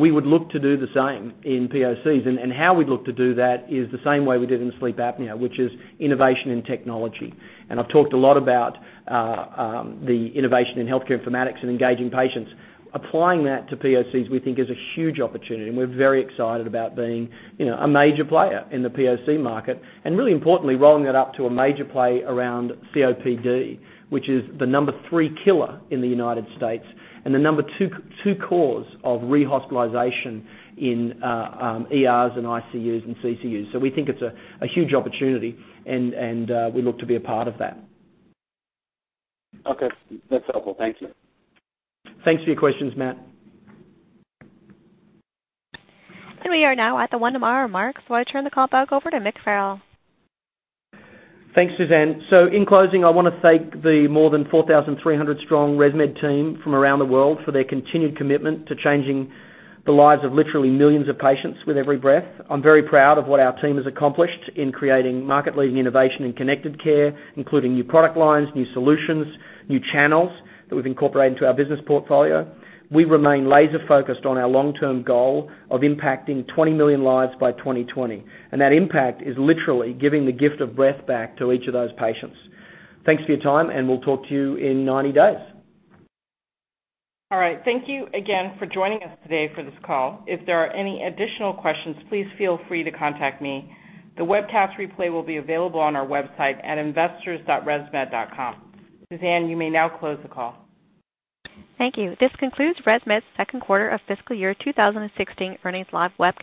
We would look to do the same in POCs. How we'd look to do that is the same way we did in sleep apnea, which is innovation in technology. I've talked a lot about the innovation in healthcare informatics and engaging patients. Applying that to POCs, we think, is a huge opportunity, and we're very excited about being a major player in the POC market. Really importantly, rolling it up to a major play around COPD, which is the number 3 killer in the U.S. and the number 2 cause of rehospitalization in ERs and ICUs and CCUs. We think it's a huge opportunity, and we look to be a part of that. Okay. That's helpful. Thank you. Thanks for your questions, Matt. We are now at the end of our remarks. I turn the call back over to Mick Farrell. Thanks, Suzanne. In closing, I want to thank the more than 4,300 strong ResMed team from around the world for their continued commitment to changing the lives of literally millions of patients with every breath. I'm very proud of what our team has accomplished in creating market-leading innovation in connected care, including new product lines, new solutions, new channels that we've incorporated into our business portfolio. We remain laser-focused on our long-term goal of impacting 20 million lives by 2020. That impact is literally giving the gift of breath back to each of those patients. Thanks for your time, and we'll talk to you in 90 days. All right. Thank you again for joining us today for this call. If there are any additional questions, please feel free to contact me. The webcast replay will be available on our website at investors.resmed.com. Suzanne, you may now close the call. Thank you. This concludes ResMed's second quarter of fiscal year 2016 earnings live webcast.